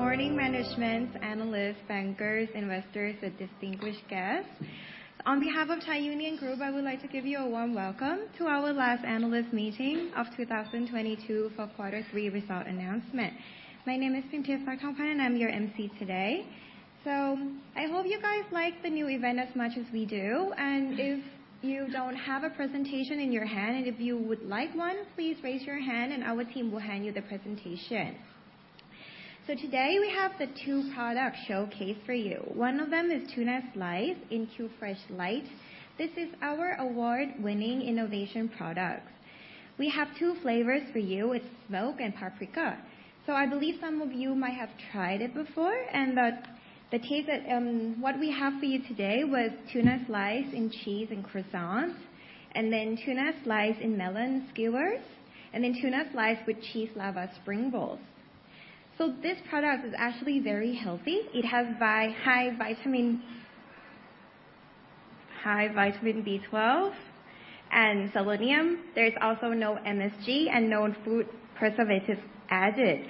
Good morning, managements, analysts, bankers, investors, and distinguished guests. On behalf of Thai Union Group, I would like to give you a warm welcome to our last analyst meeting of 2022 for quarter three result announcement. My name is Pimchaya Sakangkang, and I'm your MC today. I hope you guys like the new event as much as we do. If you don't have a presentation in your hand, and if you would like one, please raise your hand, and our team will hand you the presentation. Today, we have the two products showcased for you. One of them is tuna slice in QFresh Lite. This is our award-winning innovation product. We have two flavors for you. It's smoke and paprika. I believe some of you might have tried it before. What we have for you today was tuna slice and cheese and croissants, and then tuna slice and melon skewers, and then tuna slice with cheese lava spring rolls. This product is actually very healthy. It has very high vitamin, high vitamin B12 and selenium. There is also no MSG and no food preservatives added.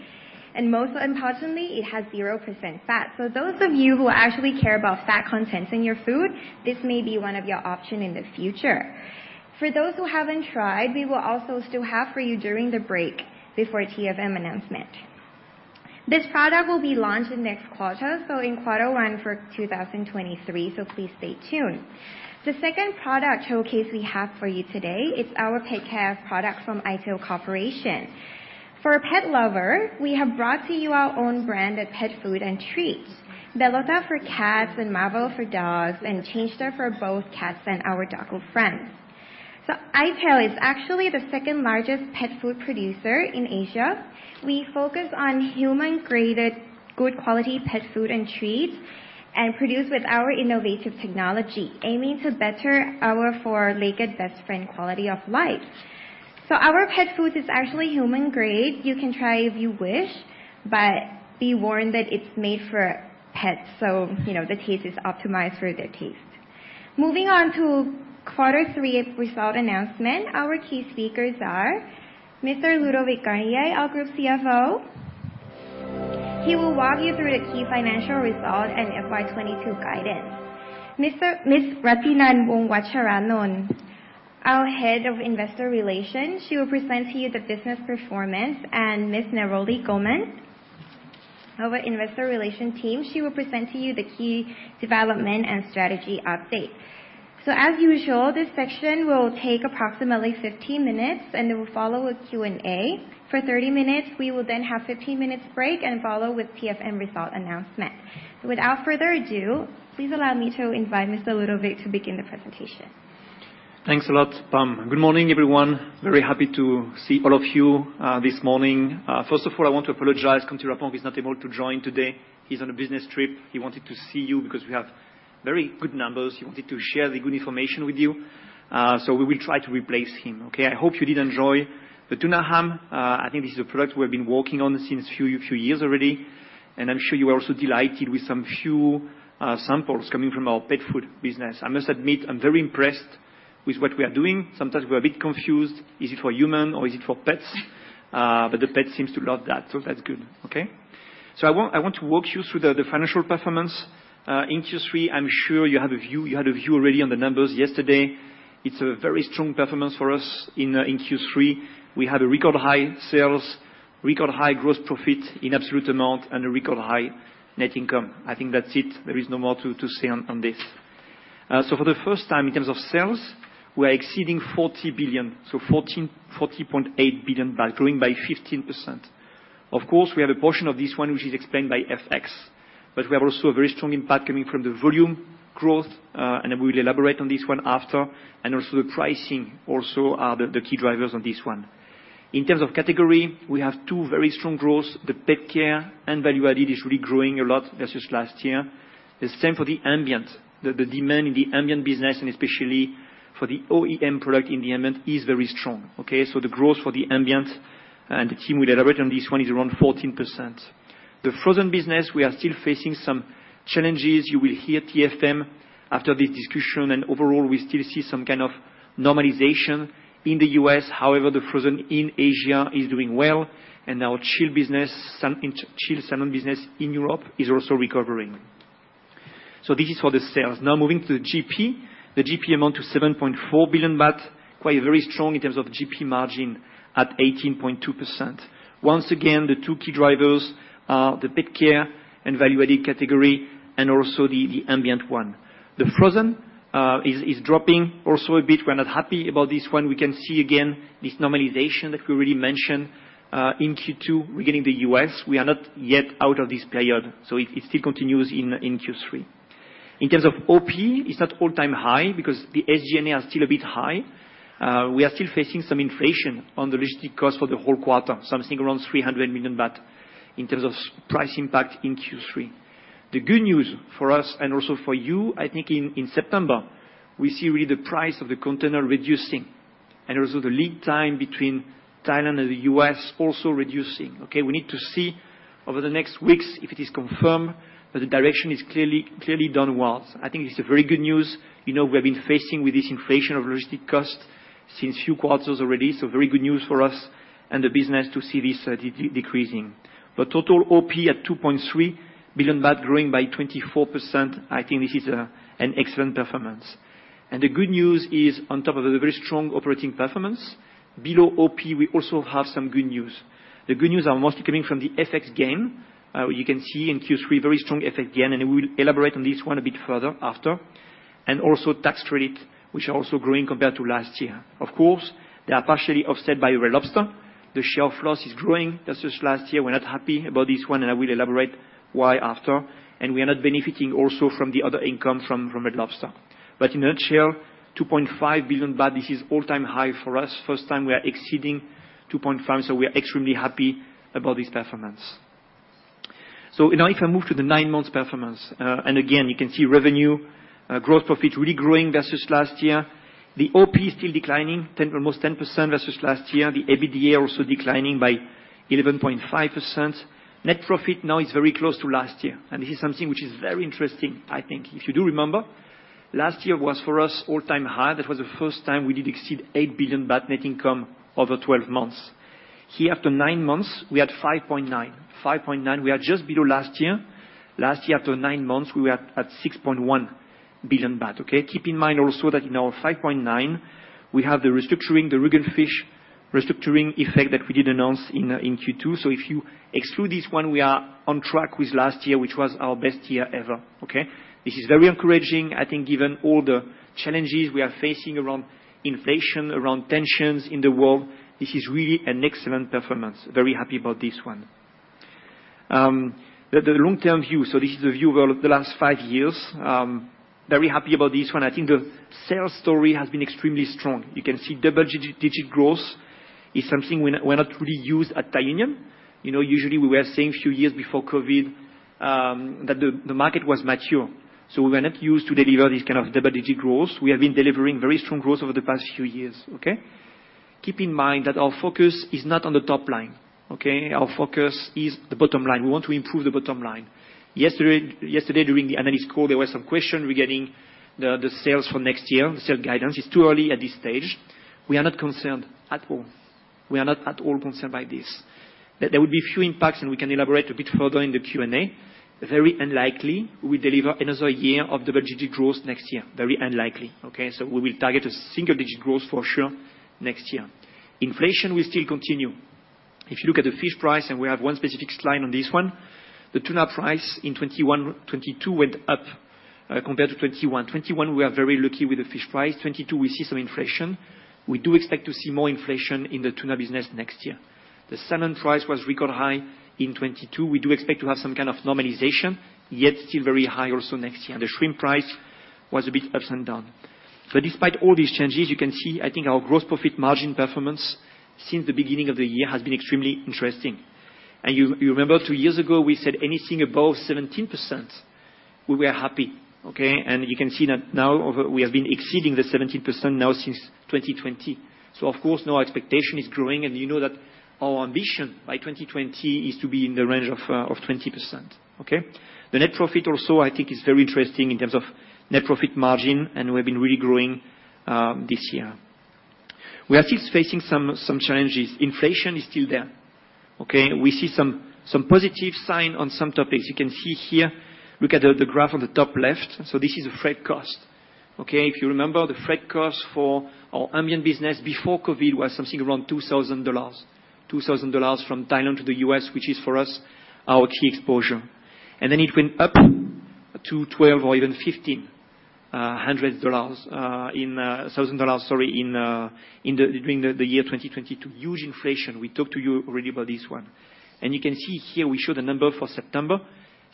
Most importantly, it has 0% fat. Those of you who actually care about fat content in your food, this may be one of your option in the future. For those who haven't tried, we will also still have for you during the break before TFM announcement. This product will be launched in next quarter, so in quarter one for 2023, so please stay tuned. The second product showcase we have for you today is our pet care product from i-Tail Corporation. For a pet lover, we have brought to you our own brand of pet food and treats. Bellotta for cats and Marvo for dogs, and ChangeTer for both cats and our doggo friends. i-Tail is actually the second-largest pet food producer in Asia. We focus on human-grade, good quality pet food and treats, and produced with our innovative technology, aiming to better our four-legged best friend quality of life. Our pet food is actually human grade. You can try if you wish, but be warned that it's made for pets, so, you know, the taste is optimized for their taste. Moving on to quarter three result announcement. Our key speakers are Mr. Ludovic Garnier, our Group CFO. He will walk you through the key financial result and FY 2022 guidance. Ms. Ratinan Wongwatcharanon, our head of investor relations, she will present to you the business performance. Ms. Neroli Gomez, our Investor Relations team, she will present to you the key development and strategy update. As usual, this section will take approximately 15 minutes, and it will follow with Q&A for 30 minutes. We will then have 15 minutes break and follow with TFM result announcement. Without further ado, please allow me to invite Mr. Ludovic Garnier to begin the presentation. Thanks a lot, Pam. Good morning, everyone. Very happy to see all of you this morning. First of all, I want to apologize, Thiraphong is not able to join today. He's on a business trip. He wanted to see you because we have very good numbers. He wanted to share the good information with you. We will try to replace him, okay? I hope you did enjoy the tuna ham. I think this is a product we've been working on since few years already, and I'm sure you are also delighted with some few samples coming from our pet food business. I must admit, I'm very impressed with what we are doing. Sometimes we're a bit confused. Is it for human or is it for pets? The pet seems to love that, so that's good. Okay? I want to walk you through the financial performance in Q3. I'm sure you had a view already on the numbers yesterday. It's a very strong performance for us in Q3. We had a record high sales, record high gross profit in absolute amount, and a record high net income. I think that's it. There is no more to say on this. For the first time, in terms of sales, we're exceeding 40.8 billion by growing 15%. Of course, we have a portion of this one which is explained by FX, but we have also a very strong impact coming from the volume growth, and then we'll elaborate on this one after. Also the pricing also are the key drivers on this one. In terms of category, we have two very strong growth. The pet care and value added is really growing a lot versus last year. The same for the ambient. The demand in the ambient business and especially for the OEM product in the ambient is very strong, okay? The growth for the ambient, and the team will elaborate on this one, is around 14%. The frozen business, we are still facing some challenges. You will hear TFM after this discussion, and overall, we still see some kind of normalization in the U.S. However, the frozen in Asia is doing well, and our chilled business, chilled salmon business in Europe is also recovering. This is for the sales. Now moving to the GP. The GP amount to 7.4 billion baht. Quite very strong in terms of GP margin at 18.2%. Once again, the two key drivers are the pet care and value-added category and also the ambient one. The frozen is dropping also a bit. We're not happy about this one. We can see again this normalization that we already mentioned in Q2 regarding the U.S. We are not yet out of this period, so it still continues in Q3. In terms of OP, it's at all-time high because the SG&A are still a bit high. We are still facing some inflation on the logistic cost for the whole quarter, something around 300 million baht in terms of spot price impact in Q3. The good news for us and also for you, I think in September, we see really the price of the container reducing and also the lead time between Thailand and the U.S. also reducing, okay? We need to see over the next weeks if it is confirmed that the direction is clearly downwards. I think it's a very good news. You know, we have been facing with this inflation of logistics costs since few quarters already. Very good news for us and the business to see this decreasing. The total OP at 2.3 billion baht growing by 24%. I think this is an excellent performance. The good news is on top of the very strong operating performance, below OP we also have some good news. The good news are mostly coming from the FX gain. You can see in Q3 very strong FX gain, and we will elaborate on this one a bit further after. Also tax credit, which are also growing compared to last year. Of course, they are partially offset by Red Lobster. The share of loss is growing versus last year. We're not happy about this one, and I will elaborate why after. We are not benefiting also from the other income from Red Lobster. In a nutshell, 2.5 billion baht, this is all-time high for us. First time we are exceeding 2.5 billion, so we are extremely happy about this performance. Now if I move to the nine months performance, and again, you can see revenue, growth profit really growing versus last year. The OP is still declining, almost 10% versus last year. The EBITDA also declining by 11.5%. Net profit now is very close to last year, and this is something which is very interesting, I think. If you do remember, last year was for us all-time high. That was the first time we did exceed 8 billion baht net income over 12 months. Here after nine months, we had 5.9. 5.9, we are just below last year. Last year, after nine months, we were at 6.1 billion baht, okay. Keep in mind also that in our 5.9, we have the restructuring, the Rügen Fisch restructuring effect that we did announce in Q2. If you exclude this one, we are on track with last year, which was our best year ever, okay. This is very encouraging, I think, given all the challenges we are facing around inflation, around tensions in the world. This is really an excellent performance. Very happy about this one. The long-term view, so this is the view of the last five years. Very happy about this one. I think the sales story has been extremely strong. You can see double-digit growth is something we're not really used at Thai Union. You know, usually we were saying a few years before COVID that the market was mature. We were not used to deliver this kind of double-digit growth. We have been delivering very strong growth over the past few years, okay. Keep in mind that our focus is not on the top line, okay? Our focus is the bottom line. We want to improve the bottom line. Yesterday during the analyst call, there were some questions regarding the sales for next year, the sales guidance. It's too early at this stage. We are not concerned at all. We are not at all concerned by this. There will be a few impacts, and we can elaborate a bit further in the Q&A. Very unlikely we deliver another year of double-digit growth next year. Very unlikely, okay. We will target a single-digit growth for sure next year. Inflation will still continue. If you look at the fish price, and we have one specific slide on this one, the tuna price in 2021-2022 went up, compared to 2021. 2021, we are very lucky with the fish price. 2022, we see some inflation. We do expect to see more inflation in the tuna business next year. The salmon price was record high in 2022. We do expect to have some kind of normalization, yet still very high also next year. The shrimp price was a bit up and down. Despite all these changes, you can see, I think, our growth profit margin performance since the beginning of the year has been extremely interesting. You remember two years ago, we said anything above 17%, we were happy, okay. You can see that now we have been exceeding the 17% now since 2020. Of course, now expectation is growing, and you know that our ambition by 2020 is to be in the range of 20%, okay. The net profit also, I think is very interesting in terms of net profit margin, and we've been really growing this year. We are still facing some challenges. Inflation is still there, okay. We see some positive sign on some topics. You can see here, look at the graph on the top left. This is the freight cost, okay. If you remember, the freight cost for our ambient business before COVID was something around $2,000. $2,000 from Thailand to the U.S., which is for us our key exposure. Then it went up to $12,000 or even $15,000 during the year 2020. Huge inflation. We talked to you already about this one. You can see here, we show the number for September.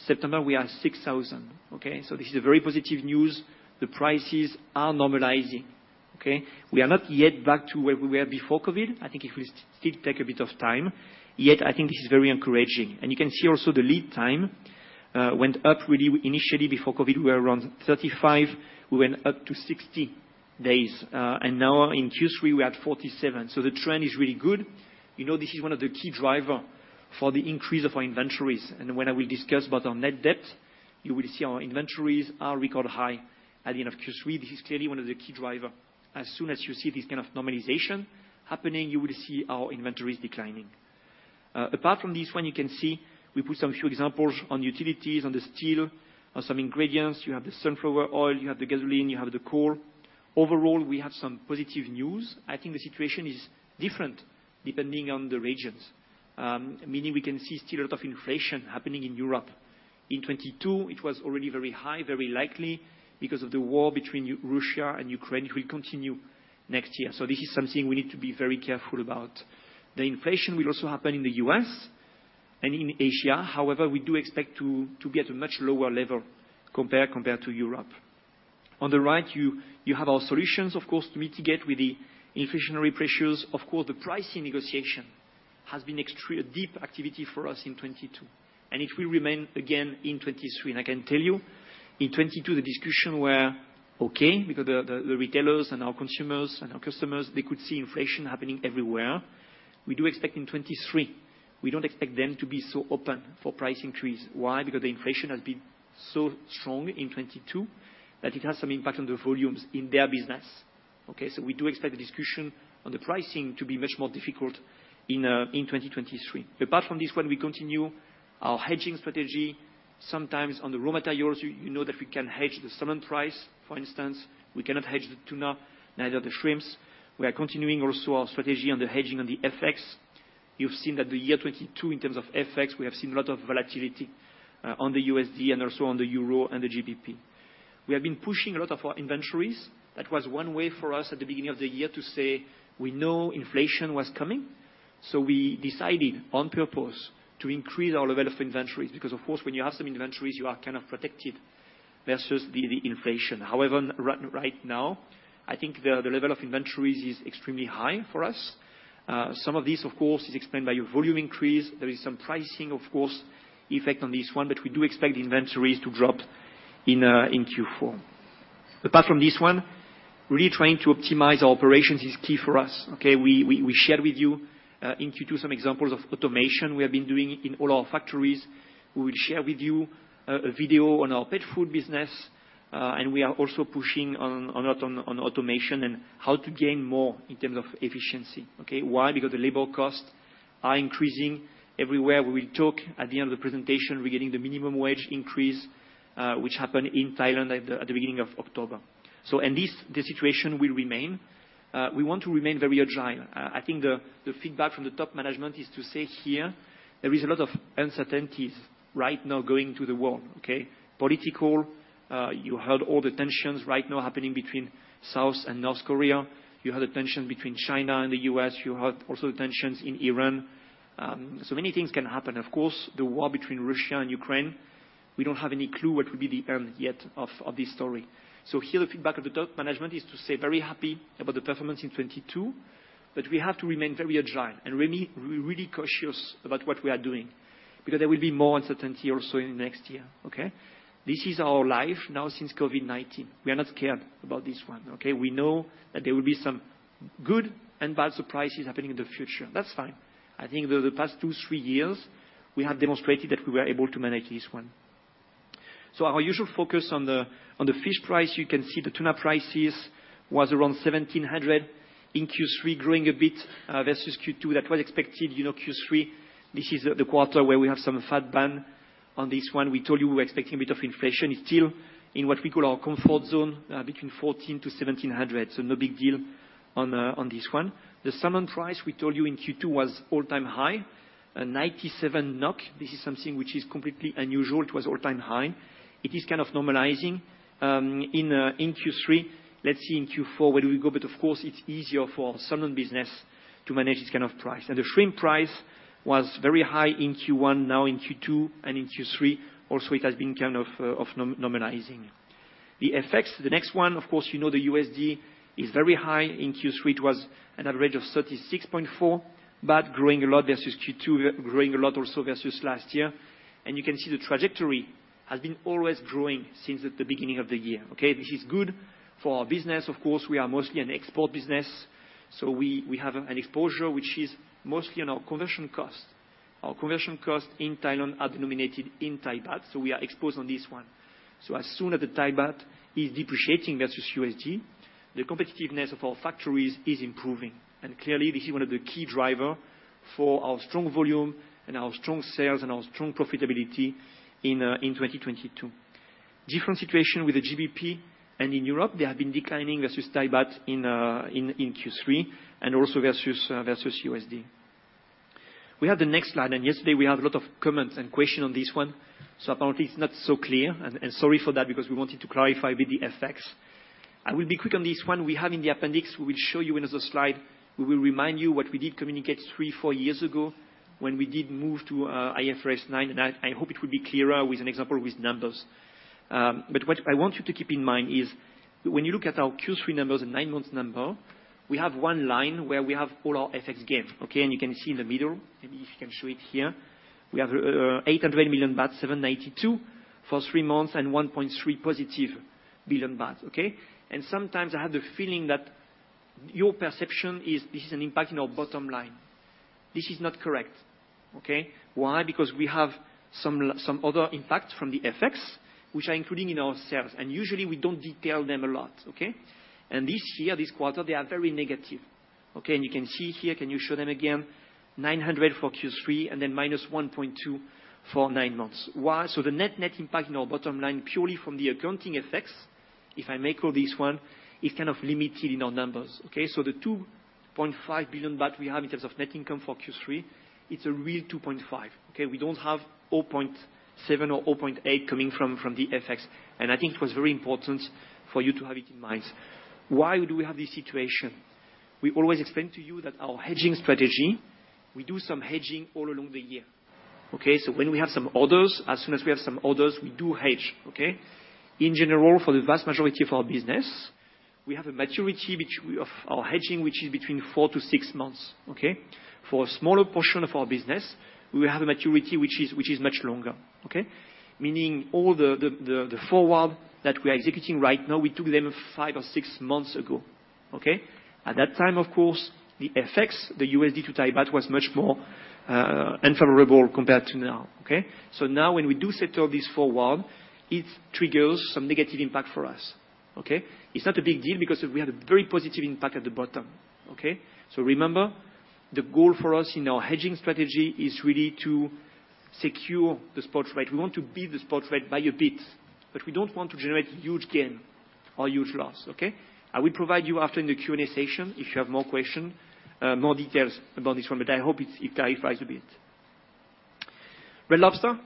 September, we are $6,000, okay. This is a very positive news. The prices are normalizing, okay. We are not yet back to where we were before COVID. I think it will still take a bit of time, yet I think this is very encouraging. You can see also the lead time went up really. Initially, before COVID, we were around 35. We went up to 60 days. Now in Q3, we're at 47. The trend is really good. You know, this is one of the key driver for the increase of our inventories. When I will discuss about our net debt, you will see our inventories are record high at the end of Q3. This is clearly one of the key driver. As soon as you see this kind of normalization happening, you will see our inventories declining. Apart from this one, you can see we put some few examples on utilities, on the steel, on some ingredients. You have the sunflower oil, you have the gasoline, you have the coal. Overall, we have some positive news. I think the situation is different depending on the regions. Meaning we can see still a lot of inflation happening in Europe. In 2022, it was already very high, very likely because of the war between Russia and Ukraine. It will continue next year. This is something we need to be very careful about. The inflation will also happen in the U.S. and in Asia. However, we do expect to get a much lower level compared to Europe. On the right, you have our solutions, of course, to mitigate with the inflationary pressures. Of course, the pricing negotiation has been extreme, a deep activity for us in 2022, and it will remain again in 2023. I can tell you in 2022, the discussion were okay because the retailers and our consumers and our customers, they could see inflation happening everywhere. We do expect in 2023, we don't expect them to be so open for price increase. Why? Because the inflation has been so strong in 2022 that it has some impact on the volumes in their business. Okay, so we do expect the discussion on the pricing to be much more difficult in 2023. Apart from this one, we continue our hedging strategy. Sometimes on the raw materials, you know that we can hedge the salmon price, for instance. We cannot hedge the tuna, neither the shrimps. We are continuing also our strategy on the hedging on the FX. You've seen that the year 2022, in terms of FX, we have seen a lot of volatility on the USD and also on the euro and the GBP. We have been pushing a lot of our inventories. That was one way for us at the beginning of the year to say, we know inflation was coming, so we decided on purpose to increase our level of inventories. Because of course, when you have some inventories, you are kind of protected versus the inflation. However, right now, I think the level of inventories is extremely high for us. Some of this, of course, is explained by volume increase. There is some pricing, of course, effect on this one, but we do expect inventories to drop in Q4. Apart from this one, really trying to optimize our operations is key for us, okay. We shared with you in Q2, some examples of automation we have been doing in all our factories. We will share with you a video on our pet food business, and we are also pushing a lot on automation and how to gain more in terms of efficiency, okay. Why? Because the labor costs are increasing everywhere. We will talk at the end of the presentation regarding the minimum wage increase, which happened in Thailand at the beginning of October. This situation will remain. We want to remain very agile. I think the feedback from the top management is to say here, there is a lot of uncertainties right now going on in the world, okay? Political, you heard all the tensions right now happening between South and North Korea. You heard the tension between China and the U.S. You heard also the tensions in Iran. Many things can happen. Of course, the war between Russia and Ukraine, we don't have any clue what will be the end yet of this story. Here, the feedback of the top management is to say very happy about the performance in 2022, but we have to remain very agile and really cautious about what we are doing, because there will be more uncertainty also in next year, okay? This is our life now since COVID-19. We are not scared about this one, okay? We know that there will be some good and bad surprises happening in the future. That's fine. I think over the past two, three years, we have demonstrated that we were able to manage this one. Our usual focus on the fish price, you can see the tuna prices was around 1,700 in Q3, growing a bit versus Q2. That was expected. You know, Q3, this is the quarter where we have some FAD ban on this one. We told you we're expecting a bit of inflation. It's still in what we call our comfort zone, between 1,400-1,700, so no big deal on this one. The salmon price, we told you in Q2, was all-time high, 97 NOK. This is something which is completely unusual. It was all-time high. It is kind of normalizing in Q3. Let's see in Q4 where do we go, but of course, it's easier for salmon business to manage this kind of price. Now the shrimp price was very high in Q1. Now in Q2 and in Q3 also, it has been kind of normalizing. The FX, the next one, of course you know the USD is very high. In Q3, it was an average of 36.4, but growing a lot versus Q2, growing a lot also versus last year. You can see the trajectory has been always growing since at the beginning of the year, okay. This is good for our business. Of course, we are mostly an export business, so we have an exposure which is mostly on our conversion costs. Our conversion costs in Thailand are denominated in Thai baht, so we are exposed on this one. As soon as the Thai baht is depreciating versus USD, the competitiveness of our factories is improving. Clearly this is one of the key driver for our strong volume and our strong sales and our strong profitability in 2022. Different situation with the GBP and in Europe. They have been declining versus Thai baht in Q3, and also versus USD. We have the next slide, and yesterday we had a lot of comments and questions on this one, so apparently it's not so clear. Sorry for that, because we wanted to clarify with the FX. I will be quick on this one. We have in the appendix, we will show you in another slide, we will remind you what we did communicate three, four years ago when we did move to IFRS 9, and I hope it will be clearer with an example with numbers. But what I want you to keep in mind is when you look at our Q3 numbers and nine months number, we have one line where we have all our FX gain, okay? You can see in the middle, maybe if you can show it here, we have 800 million baht, 792 for three months, and +1.3 billion baht, okay? Sometimes I have the feeling that your perception is this is an impact in our bottom line. This is not correct, okay? Why? Because we have some other impact from the FX which are including in our sales, and usually we don't detail them a lot, okay? This year, this quarter, they are very negative, okay. You can see here. Can you show them again? Nine hundred for Q3 and then -1.2 billion for nine months. Why? So the net impact in our bottom line, purely from the accounting effects, if I may call this one, is kind of limited in our numbers, okay. The 2.5 billion baht we have in terms of net income for Q3, it's a real 2.5, okay. We don't have 0.7 or 0.8 coming from the FX, and I think it was very important for you to have it in mind. Why do we have this situation? We always explain to you that our hedging strategy, we do some hedging all along the year, okay. When we have some orders, as soon as we have some orders, we do hedge, okay? In general, for the vast majority of our business, we have a maturity of our hedging, which is between 4-6 months, okay? For a smaller portion of our business, we have a maturity which is much longer, okay? Meaning all the forward that we are executing right now, we took them five or six months ago, okay? At that time, of course, the FX, the USD to Thai baht was much more unfavorable compared to now, okay? Now when we do settle this forward, it triggers some negative impact for us, okay? It's not a big deal because we had a very positive impact at the bottom, okay? Remember, the goal for us in our hedging strategy is really to secure the spot rate. We want to beat the spot rate by a bit. We don't want to generate huge gain or huge loss, okay? I will provide you after in the Q&A session if you have more question, more details about this one, but I hope it clarifies a bit. Red Lobster.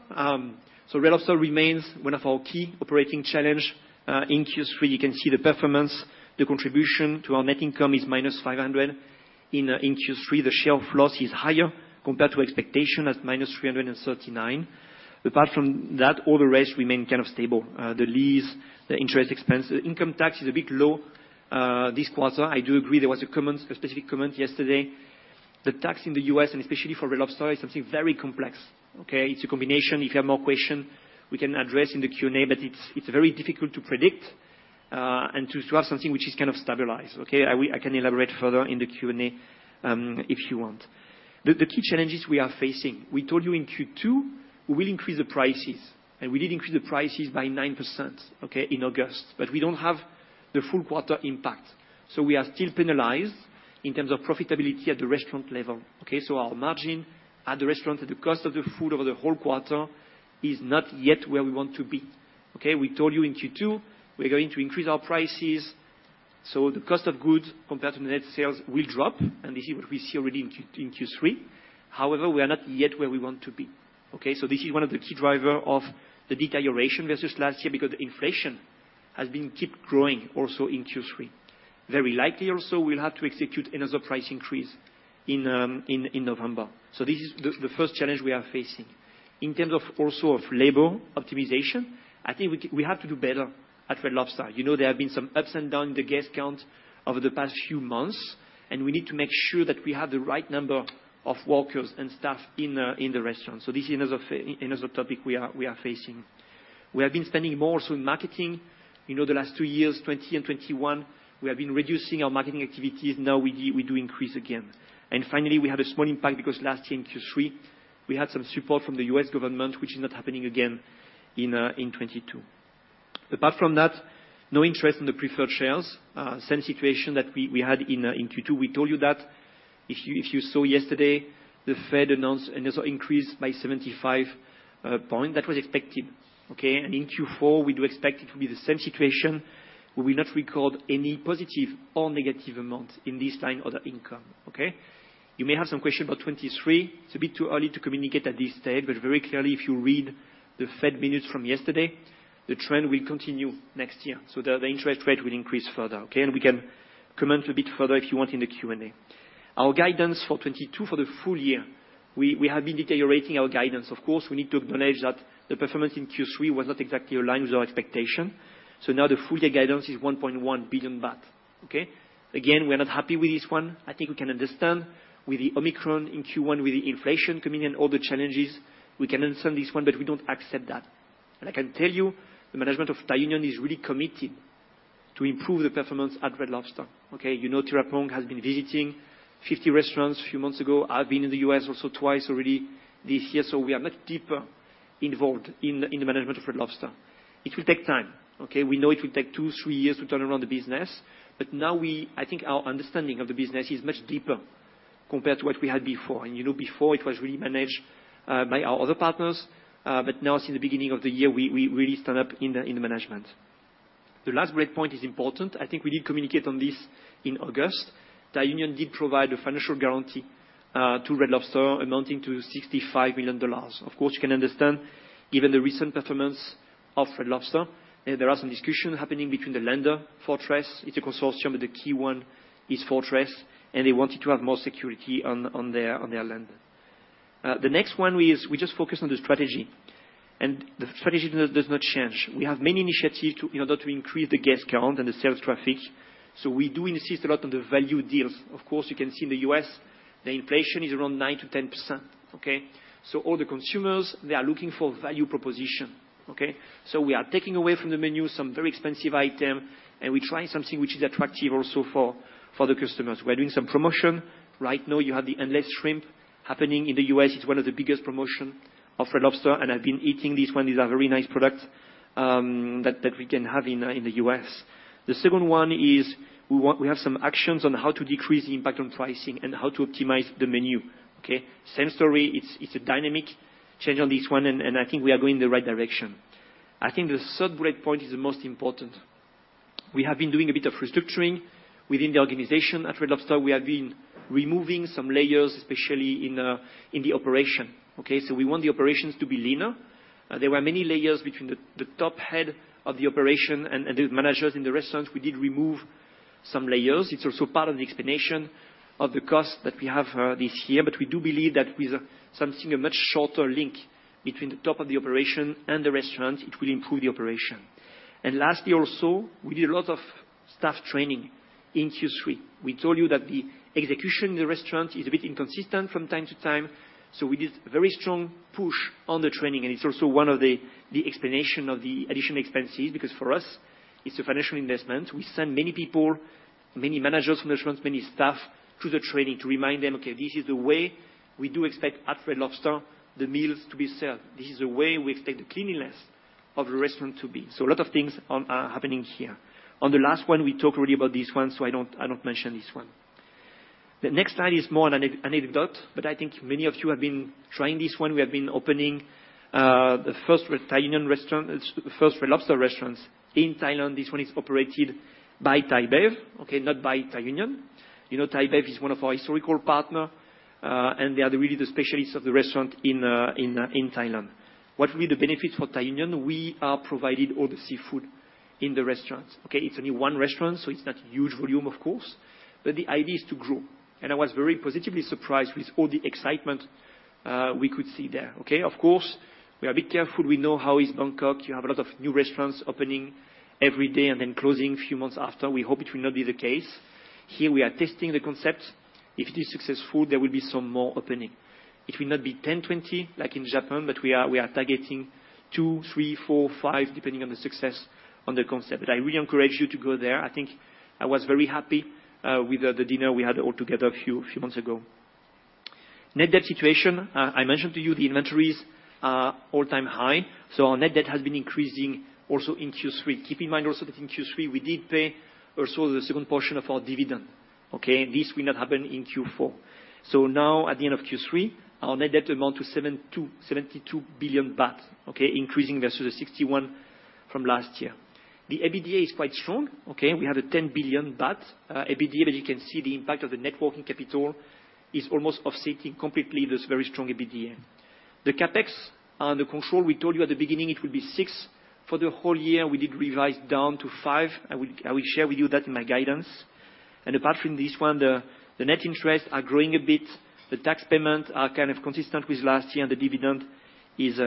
Red Lobster remains one of our key operating challenge. In Q3, you can see the performance. The contribution to our net income is -500. In Q3, the share of loss is higher compared to expectation at -339. Apart from that, all the rest remain kind of stable. The lease, the interest expense, income tax is a bit low this quarter. I do agree there was a comment, a specific comment yesterday. The tax in the U.S., and especially for Red Lobster, is something very complex, okay? It's a combination. If you have more question, we can address in the Q&A, but it's very difficult to predict, and to have something which is kind of stabilized, okay? I can elaborate further in the Q&A, if you want. The key challenges we are facing. We told you in Q2, we will increase the prices, and we did increase the prices by 9%, okay, in August. We don't have the full quarter impact. We are still penalized in terms of profitability at the restaurant level, okay? Our margin at the restaurant, at the cost of the food over the whole quarter is not yet where we want to be, okay? We told you in Q2, we're going to increase our prices, so the cost of goods compared to net sales will drop, and this is what we see already in Q3. However, we are not yet where we want to be, okay? This is one of the key driver of the deterioration versus last year, because the inflation has kept growing also in Q3. Very likely also we'll have to execute another price increase in November. This is the first challenge we are facing. In terms of also of labor optimization, I think we have to do better at Red Lobster. You know there have been some ups and downs in the guest count over the past few months, and we need to make sure that we have the right number of workers and staff in the restaurant. This is another topic we are facing. We have been spending more also in marketing. You know, the last two years, 2020 and 2021, we have been reducing our marketing activities. Now we do increase again. Finally, we had a small impact because last year in Q3, we had some support from the U.S. government, which is not happening again in 2022. Apart from that, no interest in the preferred shares. Same situation that we had in Q2. We told you that if you saw yesterday, the Fed announced another increase by 75 point. That was expected, okay? In Q4, we do expect it will be the same situation, where we not record any positive or negative amount in this line or the income, okay? You may have some question about 2023. It's a bit too early to communicate at this stage, but very clearly, if you read the Fed minutes from yesterday, the trend will continue next year, so the interest rate will increase further, okay? We can comment a bit further if you want in the Q&A. Our guidance for 2022 for the full year, we have been deteriorating our guidance. Of course, we need to acknowledge that the performance in Q3 was not exactly aligned with our expectation. Now the full year guidance is 1.1 billion baht, okay? Again, we are not happy with this one. I think we can understand with the Omicron in Q1, with the inflation coming in, all the challenges, we can understand this one, but we don't accept that. I can tell you the management of Thai Union is really committed to improve the performance at Red Lobster, okay? You know Thiraphong has been visiting 50 restaurants a few months ago. I've been in the U.S. also twice already this year. We are much deeper involved in the management of Red Lobster. It will take time, okay? We know it will take 2-3 years to turn around the business. Now I think our understanding of the business is much deeper compared to what we had before. You know, before it was really managed by our other partners. Now since the beginning of the year, we really stand up in the management. The last breakpoint is important. I think we did communicate on this in August. Thai Union did provide a financial guarantee to Red Lobster amounting to $65 million. Of course, you can understand given the recent performance of Red Lobster, there are some discussions happening between the lender, Fortress. It's a consortium, but the key one is Fortress, and they wanted to have more security on their lender. The next one, we just focus on the strategy, and the strategy does not change. We have many initiatives in order to increase the guest count and the sales traffic, so we do insist a lot on the value deals. Of course, you can see in the U.S., the inflation is around 9%-10%, okay? So all the consumers, they are looking for value proposition, okay? So we are taking away from the menu some very expensive item, and we try something which is attractive also for the customers. We are doing some promotion. Right now you have the Endless Shrimp happening in the U.S. It's one of the biggest promotion of Red Lobster, and I've been eating this one. These are very nice products that we can have in the US. The second one is we have some actions on how to decrease the impact on pricing and how to optimize the menu, okay? Same story. It's a dynamic change on this one, and I think we are going in the right direction. I think the third breakpoint is the most important. We have been doing a bit of restructuring within the organization at Red Lobster. We have been removing some layers, especially in the operation, okay? We want the operations to be leaner. There were many layers between the top head of the operation and the managers in the restaurants. We did remove some layers. It's also part of the explanation of the cost that we have this year. We do believe that with something, a much shorter link between the top of the operation and the restaurant, it will improve the operation. Lastly also, we did a lot of staff training in Q3. We told you that the execution in the restaurant is a bit inconsistent from time to time, so we did very strong push on the training, and it's also one of the explanation of the additional expenses. Because for us, it's a financial investment. We send many people, many managers from the restaurants, many staff to the training to remind them, okay, this is the way we do expect at Red Lobster the meals to be served. This is the way we expect the cleanliness of the restaurant to be. A lot of things are happening here. On the last one, we talked already about this one, so I don't mention this one. The next slide is more on an anecdote, but I think many of you have been trying this one. We have been opening the first Thai Union restaurant, the first Red Lobster restaurants in Thailand. This one is operated by ThaiBev, okay, not by Thai Union. You know, ThaiBev is one of our historical partner, and they are really the specialists of the restaurant in Thailand. What will be the benefit for Thai Union? We are providing all the seafood in the restaurant. Okay, it's only one restaurant, so it's not huge volume, of course, but the idea is to grow. I was very positively surprised with all the excitement we could see there. Okay, of course, we are a bit careful. We know how it is in Bangkok. You have a lot of new restaurants opening every day and then closing a few months after. We hope it will not be the case. Here we are testing the concept. If it is successful, there will be some more opening. It will not be 10, 20 like in Japan, but we are targeting two, three, four, five, depending on the success on the concept. But I really encourage you to go there. I think I was very happy with the dinner we had all together a few months ago. Net debt situation. I mentioned to you the inventories are all-time high, so our net debt has been increasing also in Q3. Keep in mind also that in Q3 we did pay also the second portion of our dividend, okay? This will not happen in Q4. Now at the end of Q3, our net debt amount to 72 billion baht, okay? Increasing versus the 61 billion from last year. The EBITDA is quite strong, okay? We have a 10 billion baht EBITDA, but you can see the impact of the net working capital is almost offsetting completely this very strong EBITDA. The CapEx under control, we told you at the beginning it would be 6 billion for the whole year. We did revise down to 5 billion. I will share with you that in my guidance. Apart from this one, the net interests are growing a bit. The tax payment are kind of consistent with last year, and the dividend is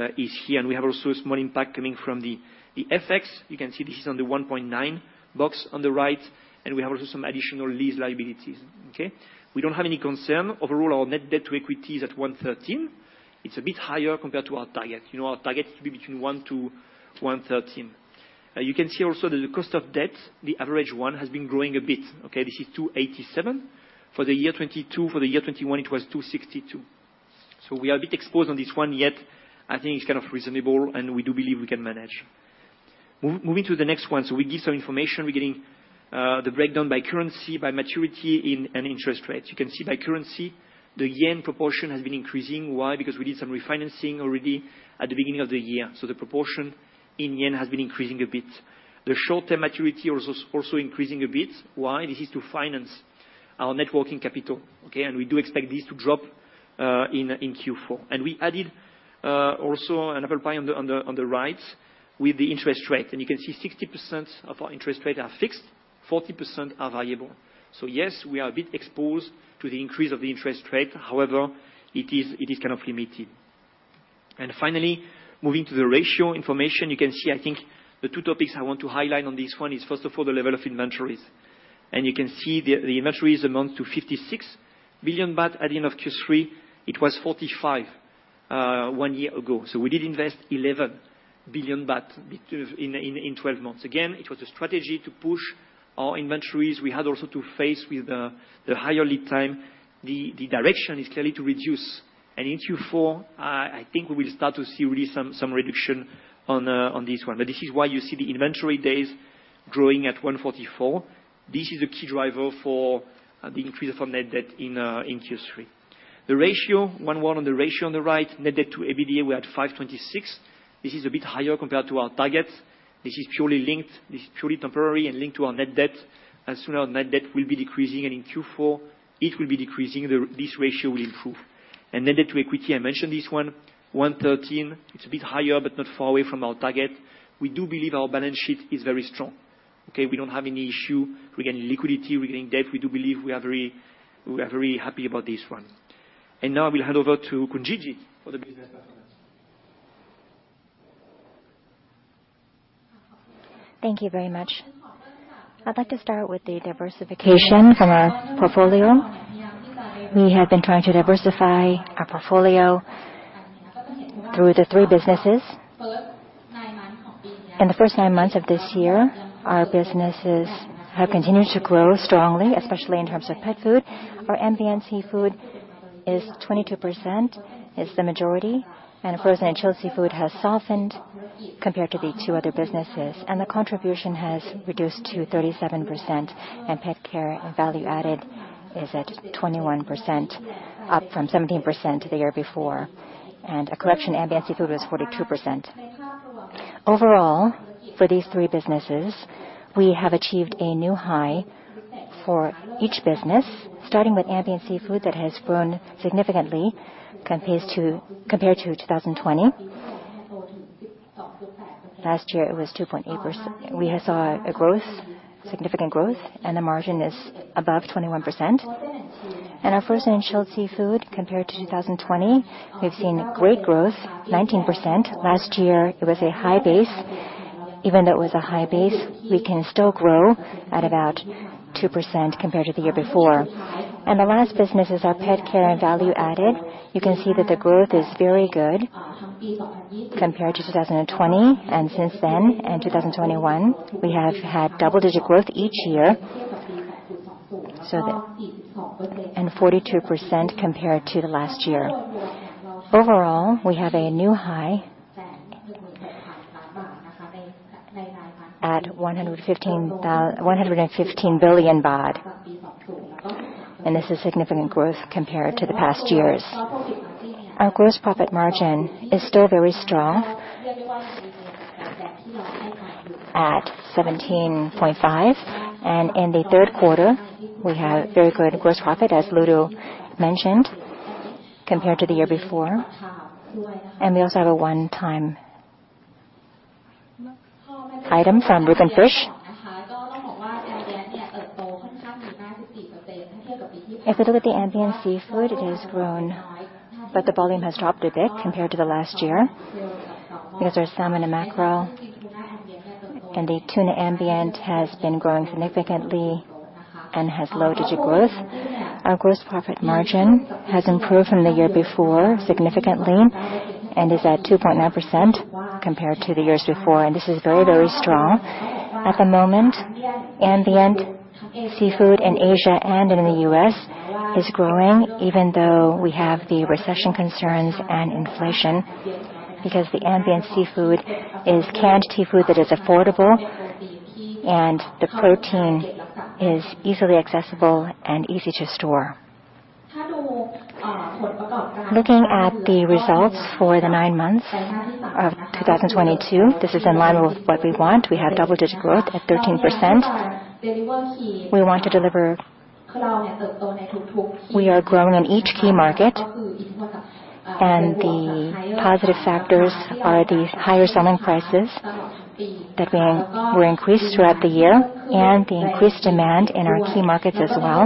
here. We have also a small impact coming from the FX. You can see this is on the 1.9 box on the right, and we have also some additional lease liabilities, okay? We don't have any concern. Overall, our net debt-to-equity is at 1.13. It's a bit higher compared to our target. You know our target to be between 1 to 1.13. You can see also that the cost of debt, the average one, has been growing a bit, okay? This is 2.87% for the year 2022. For the year 2021, it was 2.62%. We are a bit exposed on this one, yet I think it's kind of reasonable, and we do believe we can manage. Moving to the next one. We give some information. We're getting the breakdown by currency, by maturity and interest rates. You can see by currency the yen proportion has been increasing. Why? Because we did some refinancing already at the beginning of the year, so the proportion in yen has been increasing a bit. The short-term maturity also increasing a bit. Why? This is to finance our net working capital, okay? We do expect this to drop in Q4. We added also another pie on the right with the interest rate. You can see 60% of our interest rate are fixed, 40% are variable. Yes, we are a bit exposed to the increase of the interest rate. However, it is kind of limited. Finally, moving to the ratio information. You can see I think the two topics I want to highlight on this one is, first of all, the level of inventories. You can see the inventories amount to 56 billion baht at the end of Q3. It was 45 billion one year ago. So we did invest 11 billion baht in twelve months. Again, it was a strategy to push our inventories. We had also to face with the higher lead time. The direction is clearly to reduce. In Q4, I think we will start to see really some reduction on this one. But this is why you see the inventory days growing at 144. This is a key driver for the increase of our net debt in Q3. The ratio, 1.1 on the ratio on the right, net debt to EBITDA, we're at 5.26. This is a bit higher compared to our target. This is purely linked. This is purely temporary and linked to our net debt. As soon as our net debt will be decreasing, and in Q4 it will be decreasing, this ratio will improve. Net debt-to-equity, I mentioned this one, 1.13. It's a bit higher but not far away from our target. We do believe our balance sheet is very strong, okay. We don't have any issue regarding liquidity, regarding debt. We do believe we are very happy about this one. Now I will hand over to Kunjit for the business performance. Thank you very much. I'd like to start with the diversification from our portfolio. We have been trying to diversify our portfolio through the three businesses. In the first nine months of this year, our businesses have continued to grow strongly, especially in terms of pet food. Our ambient seafood is 22%. It's the majority. Frozen and chilled seafood has softened compared to the two other businesses, and the contribution has reduced to 37%. Pet care and value-added is at 21%, up from 17% the year before. Acquisition ambient seafood was 42%. Overall, for these three businesses, we have achieved a new high for each business, starting with ambient seafood that has grown significantly compared to 2020. Last year, it was 2.8%. We have saw a growth, significant growth, and the margin is above 21%. Our frozen and chilled seafood, compared to 2020, we've seen great growth, 19%. Last year it was a high base. Even though it was a high base, we can still grow at about 2% compared to the year before. The last business is our pet care and value-added. You can see that the growth is very good compared to 2020. Since then, in 2021, we have had double-digit growth each year and 42% compared to the last year. Overall, we have a new high at 115 billion baht, and this is significant growth compared to the past years. Our gross profit margin is still very strong at 17.5%. In the third quarter, we have very good gross profit, as Ludo mentioned, compared to the year before. We also have a one-time item from Rügen Fisch. If you look at the ambient seafood, it has grown, but the volume has dropped a bit compared to the last year because there's salmon and mackerel. The tuna ambient has been growing significantly and has low single-digit growth. Our gross profit margin has improved from the year before significantly and is at 2.9% compared to the years before, and this is very, very strong. At the moment, ambient seafood in Asia and in the U.S. is growing, even though we have the recession concerns and inflation because the ambient seafood is canned seafood that is affordable and the protein is easily accessible and easy to store. Looking at the results for the nine months of 2022, this is in line with what we want. We have double-digit growth at 13%. We want to deliver. We are growing in each key market and the positive factors are the higher selling prices that were increased throughout the year and the increased demand in our key markets as well.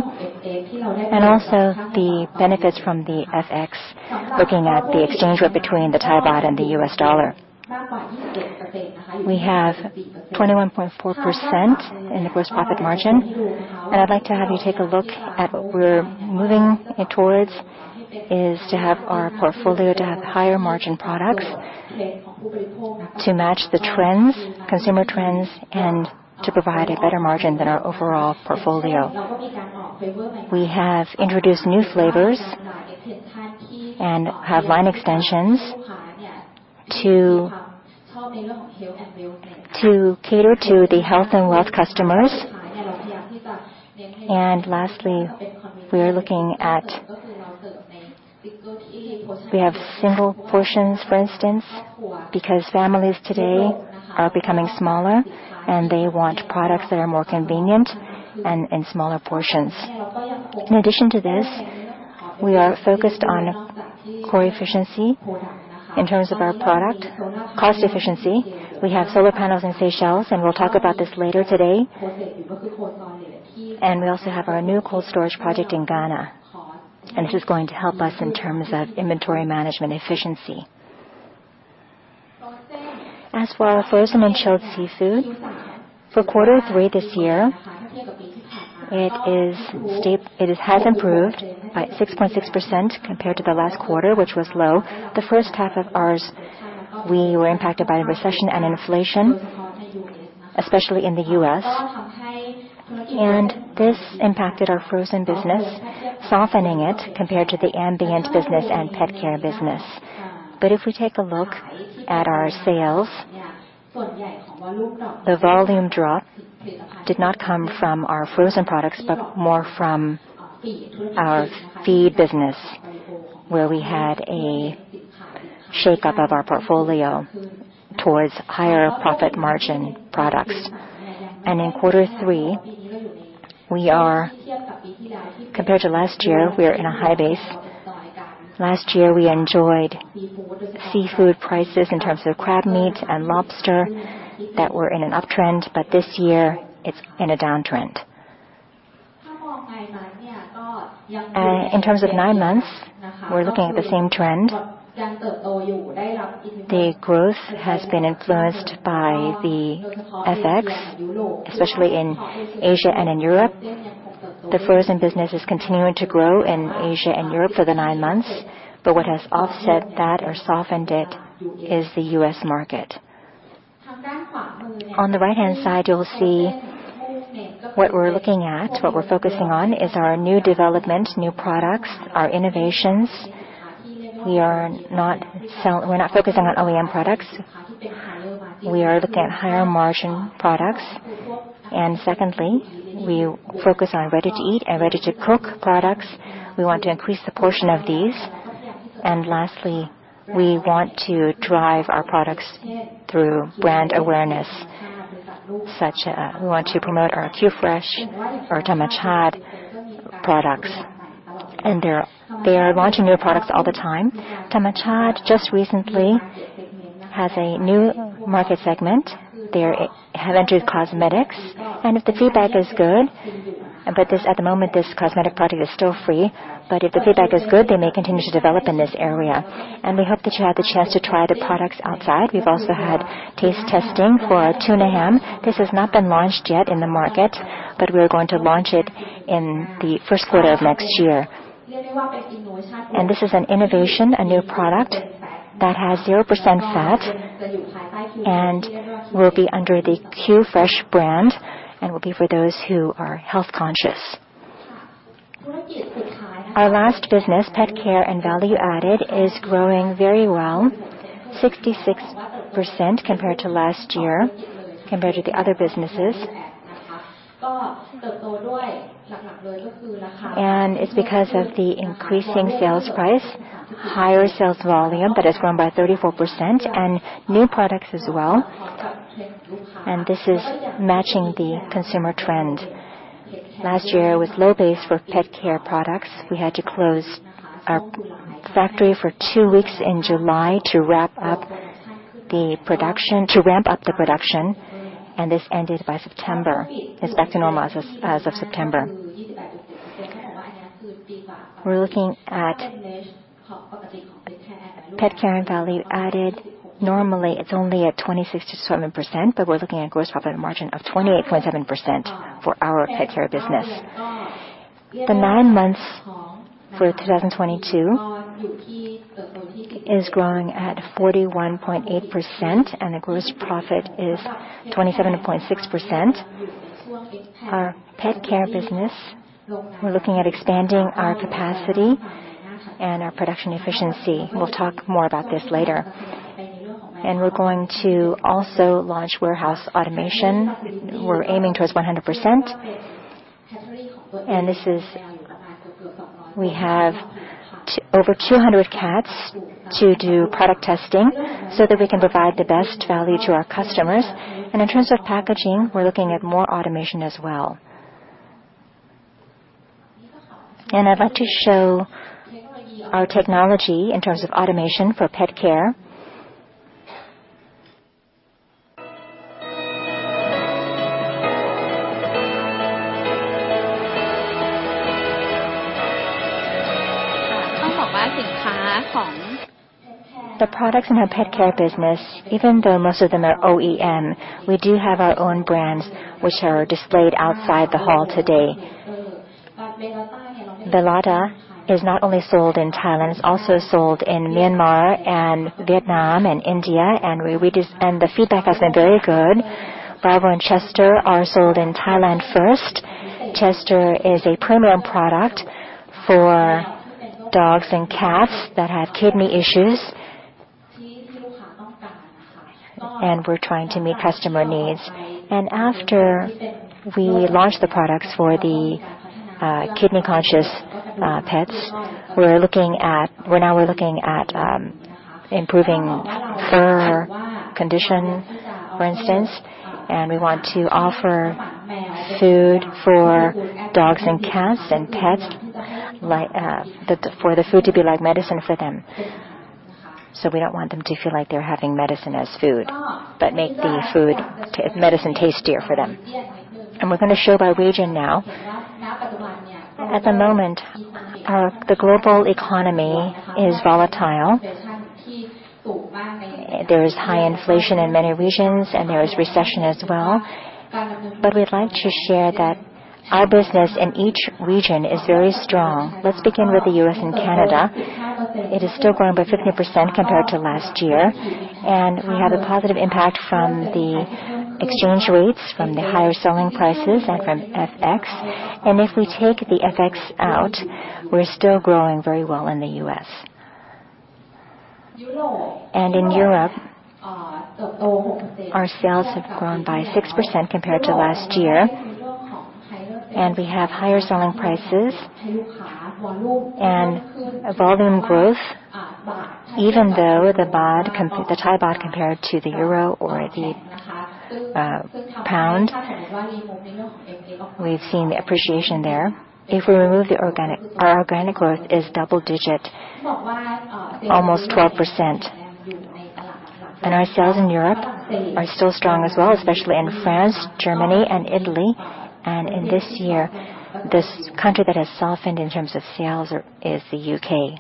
Also the benefits from the FX, looking at the exchange rate between the Thai baht and the U.S. dollar. We have 21.4% in the gross profit margin. I'd like to have you take a look at what we're moving it towards, is to have our portfolio to have higher margin products to match the trends, consumer trends, and to provide a better margin than our overall portfolio. We have introduced new flavors and have line extensions to cater to the health and wellness customers. Lastly, we are looking at single portions, for instance, because families today are becoming smaller and they want products that are more convenient and in smaller portions. In addition to this, we are focused on core efficiency in terms of our product cost efficiency. We have solar panels in Seychelles, and we'll talk about this later today. We also have our new cold storage project in Ghana, and this is going to help us in terms of inventory management efficiency. As for our frozen and chilled seafood, for quarter three this year, it has improved by 6.6% compared to the last quarter, which was low. The first half of ours, we were impacted by the recession and inflation, especially in the U.S. This impacted our frozen business, softening it compared to the ambient business and pet care business. If we take a look at our sales, the volume drop did not come from our frozen products, but more from our feed business, where we had a shakeup of our portfolio towards higher profit margin products. In quarter three, compared to last year, we are in a high base. Last year, we enjoyed seafood prices in terms of crab meat and lobster that were in an uptrend, but this year it's in a downtrend. In terms of nine months, we're looking at the same trend. The growth has been influenced by the FX, especially in Asia and in Europe. The frozen business is continuing to grow in Asia and Europe for the nine months. What has offset that or softened it is the U.S. market. On the right-hand side, you'll see what we're looking at. What we're focusing on is our new development, new products, our innovations. We're not focusing on OEM products. We are looking at higher margin products. Secondly, we focus on ready-to-eat and ready-to-cook products. We want to increase the portion of these. Lastly, we want to drive our products through brand awareness, such, we want to promote our QFresh or Thammachart products. They're launching new products all the time. Thammachart just recently has a new market segment. They have entered cosmetics and if the feedback is good, but this at the moment, this cosmetic product is still free. But if the feedback is good, they may continue to develop in this area. We hope that you had the chance to try the products outside. We've also had taste testing for our tuna ham. This has not been launched yet in the market, but we are going to launch it in the first quarter of next year. This is an innovation, a new product that has 0% fat and will be under the Qfresh brand and will be for those who are health-conscious. Our last business, pet care and value-added, is growing very well, 66% compared to last year compared to the other businesses. It's because of the increasing sales price, higher sales volume that has grown by 34% and new products as well. This is matching the consumer trend. Last year was low base for pet care products. We had to close our factory for two weeks in July to ramp up the production. This ended by September. It's back to normal as of September. We're looking at pet care and value-added. Normally, it's only at 26-27%, but we're looking at gross profit margin of 28.7% for our pet care business. The nine months for 2022 is growing at 41.8%, and the gross profit is 27.6%. Our pet care business, we're looking at expanding our capacity and our production efficiency. We'll talk more about this later. We're going to also launch warehouse automation. We're aiming towards 100%. We have over 200 cats to do product testing so that we can provide the best value to our customers. In terms of packaging, we're looking at more automation as well. I'd like to show our technology in terms of automation for pet care. The products in our pet care business, even though most of them are OEM, we do have our own brands which are displayed outside the hall today. Bellotta is not only sold in Thailand, it's also sold in Myanmar and Vietnam and India, and we received. The feedback has been very good. Marvo and ChangeTer are sold in Thailand first. ChangeTer is a premium product for dogs and cats that have kidney issues. We're trying to meet customer needs. After we launched the products for the kidney conscious pets, now we're looking at improving fur condition, for instance. We want to offer food for dogs and cats and pets like, for the food to be like medicine for them. We don't want them to feel like they're having medicine as food, but make the food medicine tastier for them. We're gonna show by region now. At the moment, the global economy is volatile. There is high inflation in many regions, and there is recession as well. We'd like to share that our business in each region is very strong. Let's begin with the U.S and Canada. It is still growing by 15% compared to last year, and we have a positive impact from the exchange rates, from the higher selling prices and from FX. If we take the FX out, we're still growing very well in the U.S. In Europe, our sales have grown by 6% compared to last year, and we have higher selling prices and evolving growth even though the Thai baht compared to the euro or the pound, we've seen the appreciation there. If we remove the inorganic, our organic growth is double-digit, almost 12%. Our sales in Europe are still strong as well, especially in France, Germany and Italy. In this year, the country that has softened in terms of sales is the UK.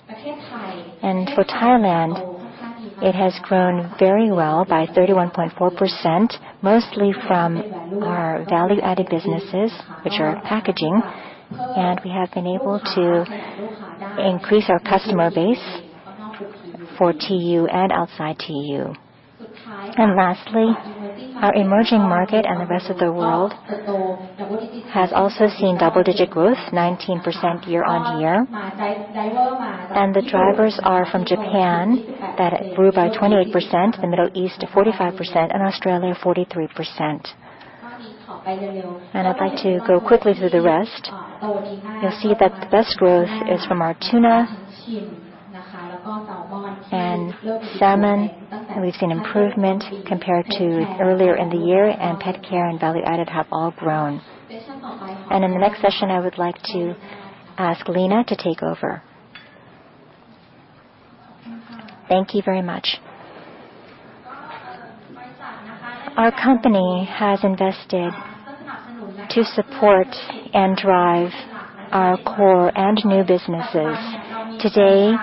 For Thailand, it has grown very well by 31.4%, mostly from our value-added businesses which are packaging. We have been able to increase our customer base for TU and outside TU. Lastly, our emerging market and the rest of the world has also seen double-digit growth, 19% year-on-year. The drivers are from Japan that grew by 28%, the Middle East 45%, and Australia 43%. I'd like to go quickly through the rest. You'll see that the best growth is from our tuna and salmon, and we've seen improvement compared to earlier in the year, and pet care and value-added have all grown. In the next session, I would like to ask Lena to take over. Thank you very much. Our company has invested to support and drive our core and new businesses. Today,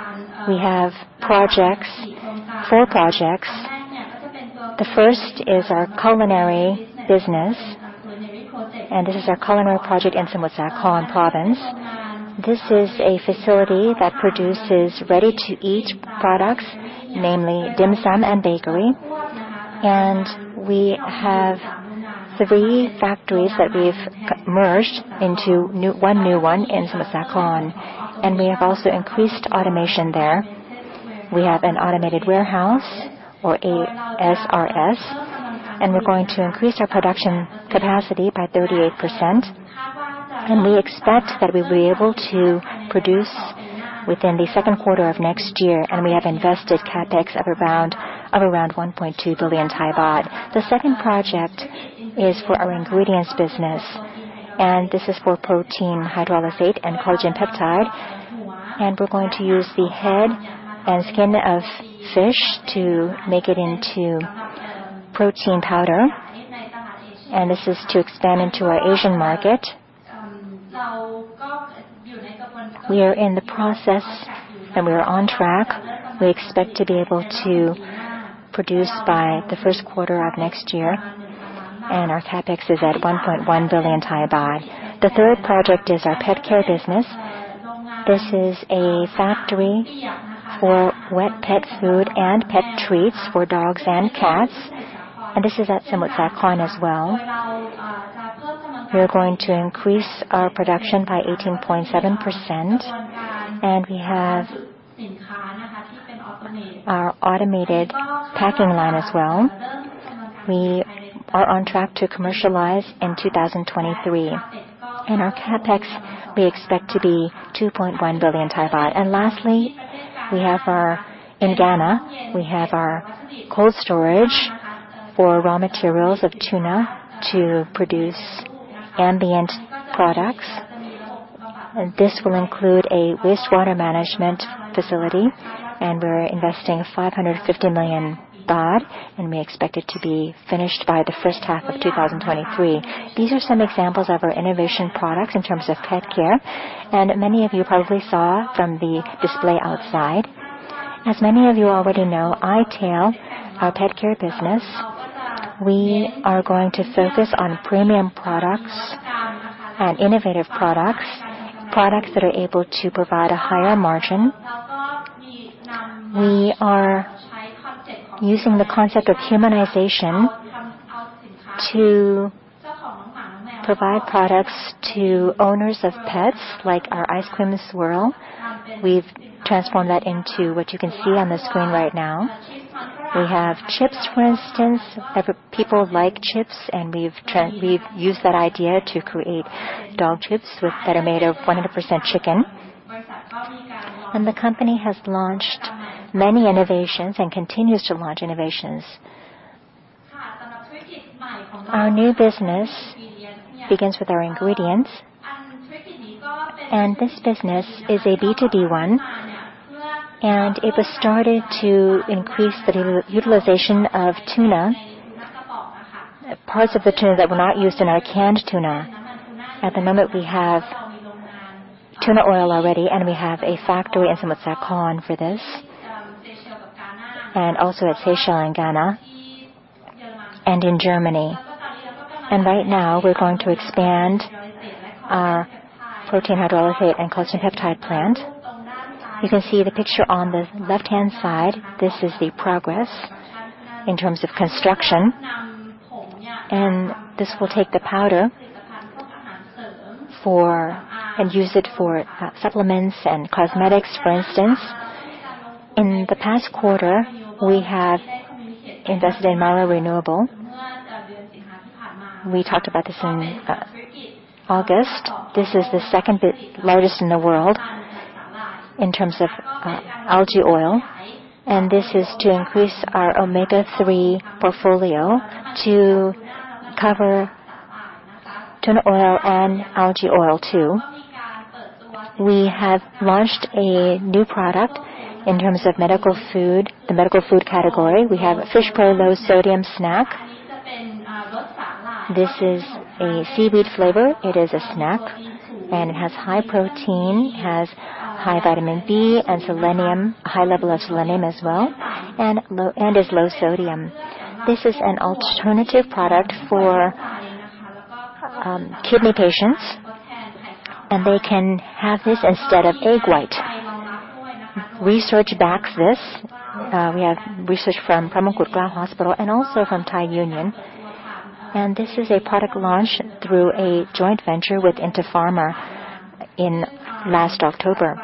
we have projects, 4 projects. The first is our culinary business. This is our culinary project in Samut Sakhon province. This is a facility that produces ready-to-eat products, namely dim sum and bakery. We have three factories that we've merged into one new one in Samut Sakhon. We have also increased automation there. We have an automated warehouse or ASRS, and we're going to increase our production capacity by 38%. We expect that we'll be able to produce within the second quarter of next year. We have invested CapEx of around 1.2 billion baht. The second project is for our ingredients business, and this is for protein hydrolysate and collagen peptide. We're going to use the head and skin of fish to make it into protein powder. This is to expand into our Asian market. We are in the process, and we are on track. We expect to be able to produce by the first quarter of next year, and our CapEx is at 1.1 billion baht. The third project is our pet care business. This is a factory for wet pet food and pet treats for dogs and cats, and this is at Samut Sakhon as well. We are going to increase our production by 18.7%, and we have our automated packing line as well. We are on track to commercialize in 2023. Our CapEx, we expect to be 2.1 billion baht. Lastly, in Ghana, we have our cold storage for raw materials of tuna to produce ambient products. This will include a wastewater management facility, and we're investing 550 million baht, and we expect it to be finished by the first half of 2023. These are some examples of our innovation products in terms of pet care, and many of you probably saw from the display outside. As many of you already know, i-Tail, our pet care business. We are going to focus on premium products and innovative products that are able to provide a higher margin. We are using the concept of humanization to provide products to owners of pets, like our ice cream swirl. We've transformed that into what you can see on the screen right now. We have chips, for instance. People like chips, and we've used that idea to create dog chips with-- that are made of 100% chicken. The company has launched many innovations and continues to launch innovations. Our new business begins with our ingredients, and this business is a B2B one, and it was started to increase the utilization of tuna. Parts of the tuna that were not used in our canned tuna. At the moment, we have tuna oil already, and we have a factory in Samut Sakhon for this, and also at Seychelles and Ghana and in Germany. Right now, we're going to expand our protein hydrolysate and collagen peptide plant. You can see the picture on the left-hand side. This is the progress in terms of construction. This will take the powder and use it for supplements and cosmetics, for instance. In the past quarter, we have invested in Mara Renewables. We talked about this in August. This is the second largest in the world in terms of algae oil. This is to increase our Omega-3 portfolio to cover tuna oil and algae oil too. We have launched a new product in terms of medical food, the medical food category. We have Fish Pro Low Sodium Snack. This is a seaweed flavor. It is a snack, and it has high protein. It has high vitamin B and selenium. A high level of selenium as well and is low sodium. This is an alternative product for kidney patients, and they can have this instead of egg white. Research backs this. We have research from Phramongkutklao Hospital and also from Thai Union. This is a product launch through a joint venture with Inter Pharma in last October.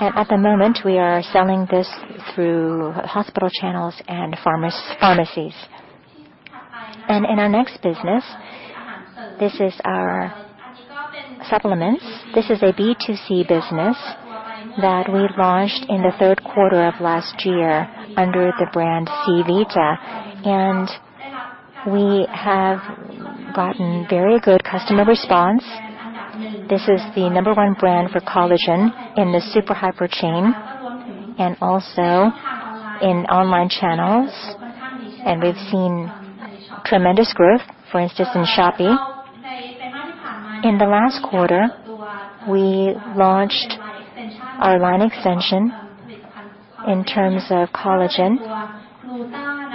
At the moment, we are selling this through hospital channels and pharmacies. In our next business, this is our supplements. This is a B2C business that we launched in the third quarter of last year under the brand ZEAvita, and we have gotten very good customer response. This is the number one brand for collagen in the Super Hyper chain and also in online channels. We've seen tremendous growth, for instance, in Shopee. In the last quarter, we launched our line extension in terms of collagen.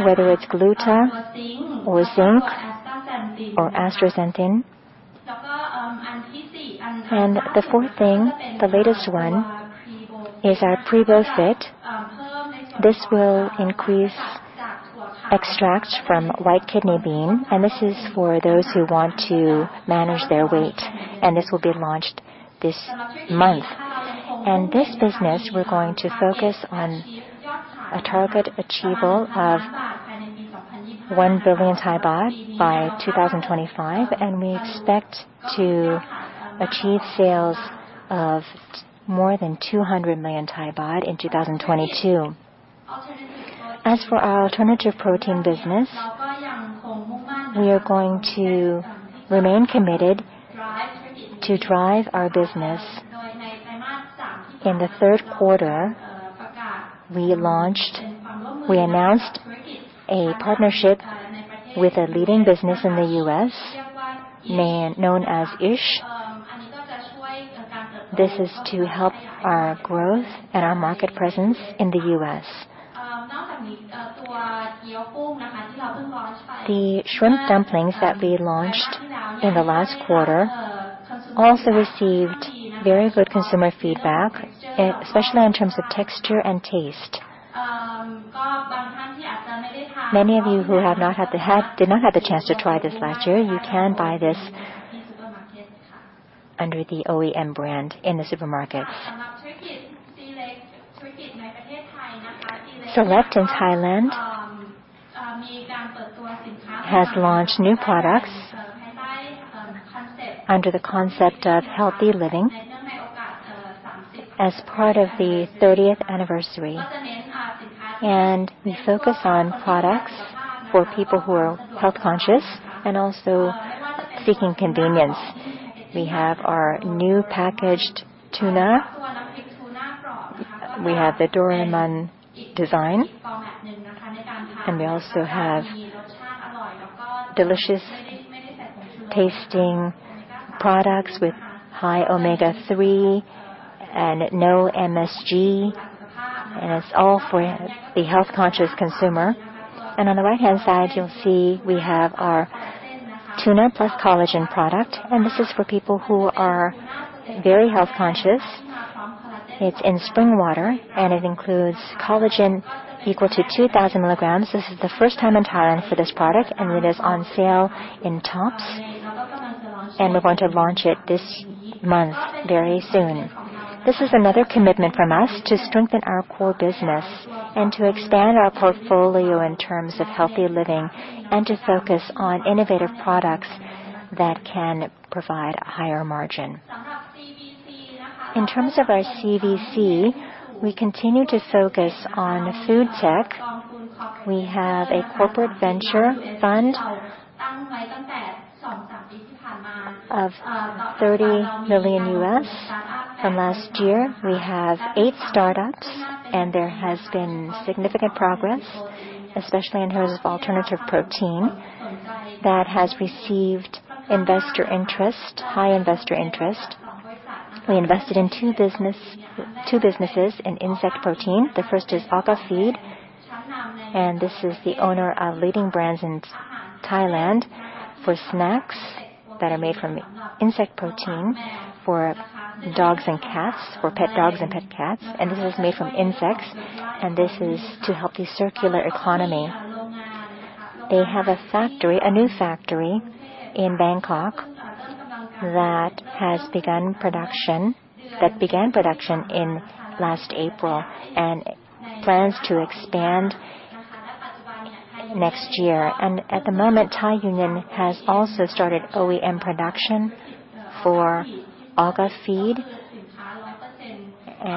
Whether it's Gluta or zinc or astaxanthin. The fourth thing, the latest one is our PrevoFit. This will include extracts from white kidney bean, and this is for those who want to manage their weight, and this will be launched this month. This business, we're going to focus on a target achievable of 1 billion baht by 2025, and we expect to achieve sales of more than 200 million baht in 2022. As for our alternative protein business, we are going to remain committed to drive our business. In the third quarter, we announced a partnership with a leading business in the U.S. known as The ISH Food Company. This is to help our growth and our market presence in the U.S. The shrimp dumplings that we launched in the last quarter also received very good consumer feedback, especially in terms of texture and taste. Many of you who have not had the chance to try this last year, you can buy this under the OEM brand in the supermarket. SEALECT in Thailand has launched new products under the concept of healthy living as part of the thirtieth anniversary. We focus on products for people who are health-conscious and also seeking convenience. We have our new packaged tuna. We have the Doraemon design. We also have delicious-tasting products with high omega-3 and no MSG, and it's all for the health-conscious consumer. On the right-hand side, you'll see we have our tuna plus collagen product, and this is for people who are very health-conscious. It's in spring water, and it includes collagen equal to 2,000 milligrams. This is the first time in Thailand for this product, and it is on sale in Tops. We're going to launch it this month very soon. This is another commitment from us to strengthen our core business and to expand our portfolio in terms of healthy living and to focus on innovative products that can provide a higher margin. In terms of our CVC, we continue to focus on food tech. We have a corporate venture fund of $30 million. From last year, we have 8 start-ups, and there has been significant progress, especially in terms of alternative protein that has received investor interest, high investor interest. We invested in two businesses in insect protein. The first is Aqua Feed, and this is the owner of leading brands in Thailand for snacks that are made from insect protein for dogs and cats or pet dogs and pet cats. This is made from insects, and this is to help the circular economy. They have a factory, a new factory in Bangkok that began production in last April and plans to expand next year. At the moment, Thai Union has also started OEM production for Aqua Feed.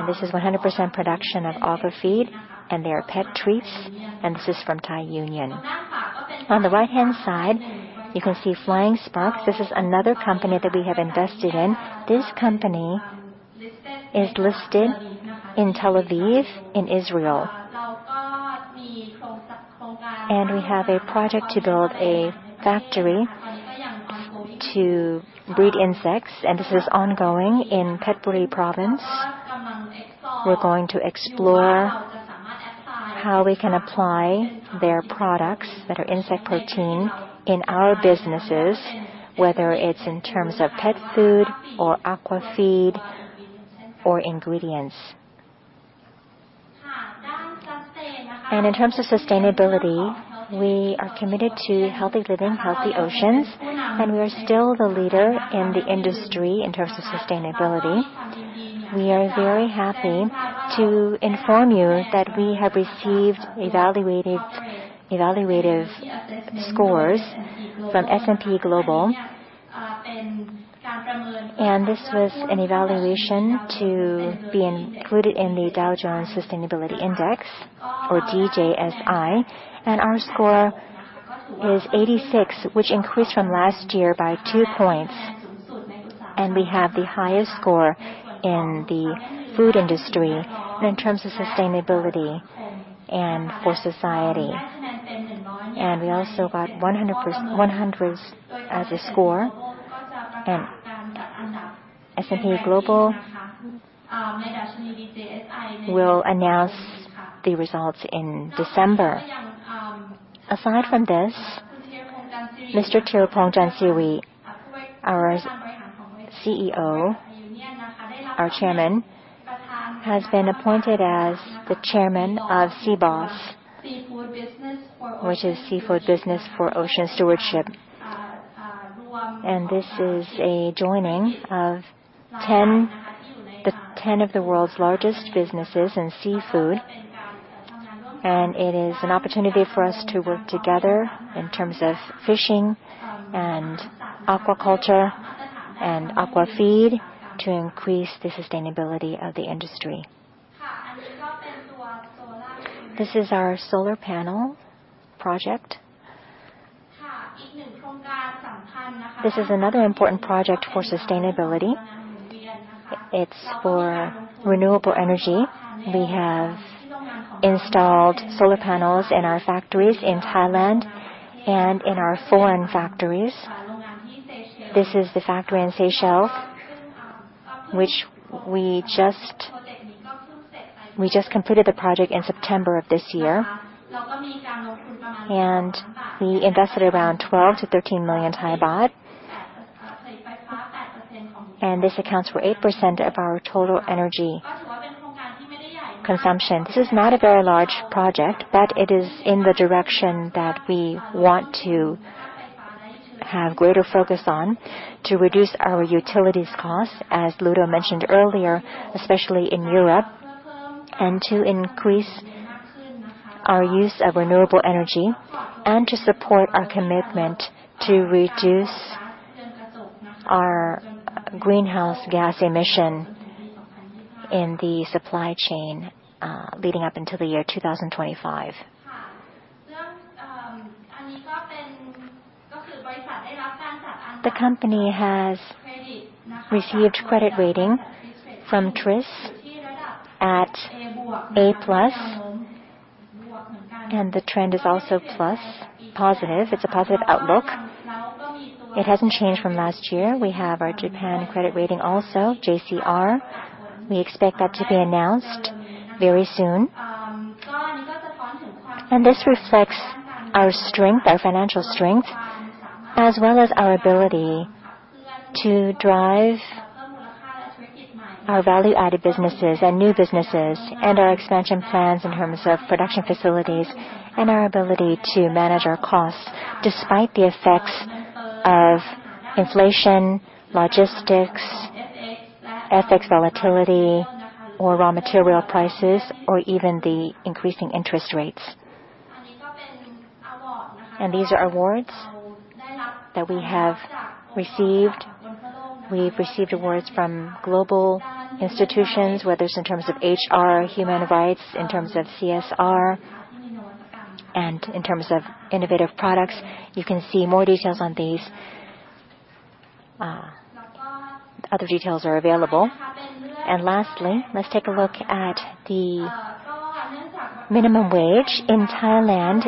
This is 100% production of Aqua Feed and their pet treats, and this is from Thai Union. On the right-hand side, you can see Flying Spark. This is another company that we have invested in. This company is listed in Tel Aviv in Israel. We have a project to build a factory to breed insects, and this is ongoing in Phetchaburi Province. We're going to explore how we can apply their products that are insect protein in our businesses, whether it's in terms of pet food or aqua feed or ingredients. In terms of sustainability, we are committed to healthy living, healthy oceans, and we are still the leader in the industry in terms of sustainability. We are very happy to inform you that we have received evaluated, evaluative scores from S&P Global. This was an evaluation to be included in the Dow Jones Sustainability Index or DJSI. Our score is 86, which increased from last year by 2 points. We have the highest score in the food industry in terms of sustainability and for society. We also got 100%—100 as a score. S&P Global. We'll announce the results in December. Aside from this, Mr. Thiraphong Chansiri, our CEO, our chairman, has been appointed as the chairman of SeaBOS, which is Seafood Business for Ocean Stewardship. This is a joining of 10 of the world's largest businesses in seafood. It is an opportunity for us to work together in terms of fishing and aquaculture and aqua feed to increase the sustainability of the industry. This is our solar panel project. This is another important project for sustainability. It's for renewable energy. We have installed solar panels in our factories in Thailand and in our foreign factories. This is the factory in Seychelles, which we just completed the project in September of this year, and we invested around 12-13 million baht. This accounts for 8% of our total energy consumption. This is not a very large project, but it is in the direction that we want to have greater focus on to reduce our utilities costs, as Ludo mentioned earlier, especially in Europe, and to increase our use of renewable energy and to support our commitment to reduce our greenhouse gas emission in the supply chain, leading up until the year 2025. The company has received credit rating from TRIS at A+, and the trend is also plus, positive. It's a positive outlook. It hasn't changed from last year. We have our Japan credit rating also, JCR. We expect that to be announced very soon. This reflects our strength, our financial strength, as well as our ability to drive our value-added businesses and new businesses and our expansion plans in terms of production facilities and our ability to manage our costs despite the effects of inflation, logistics, FX volatility or raw material prices or even the increasing interest rates. These are awards that we have received. We've received awards from global institutions, whether it's in terms of HR, human rights, in terms of CSR, and in terms of innovative products. You can see more details on these. Other details are available. Lastly, let's take a look at the minimum wage in Thailand.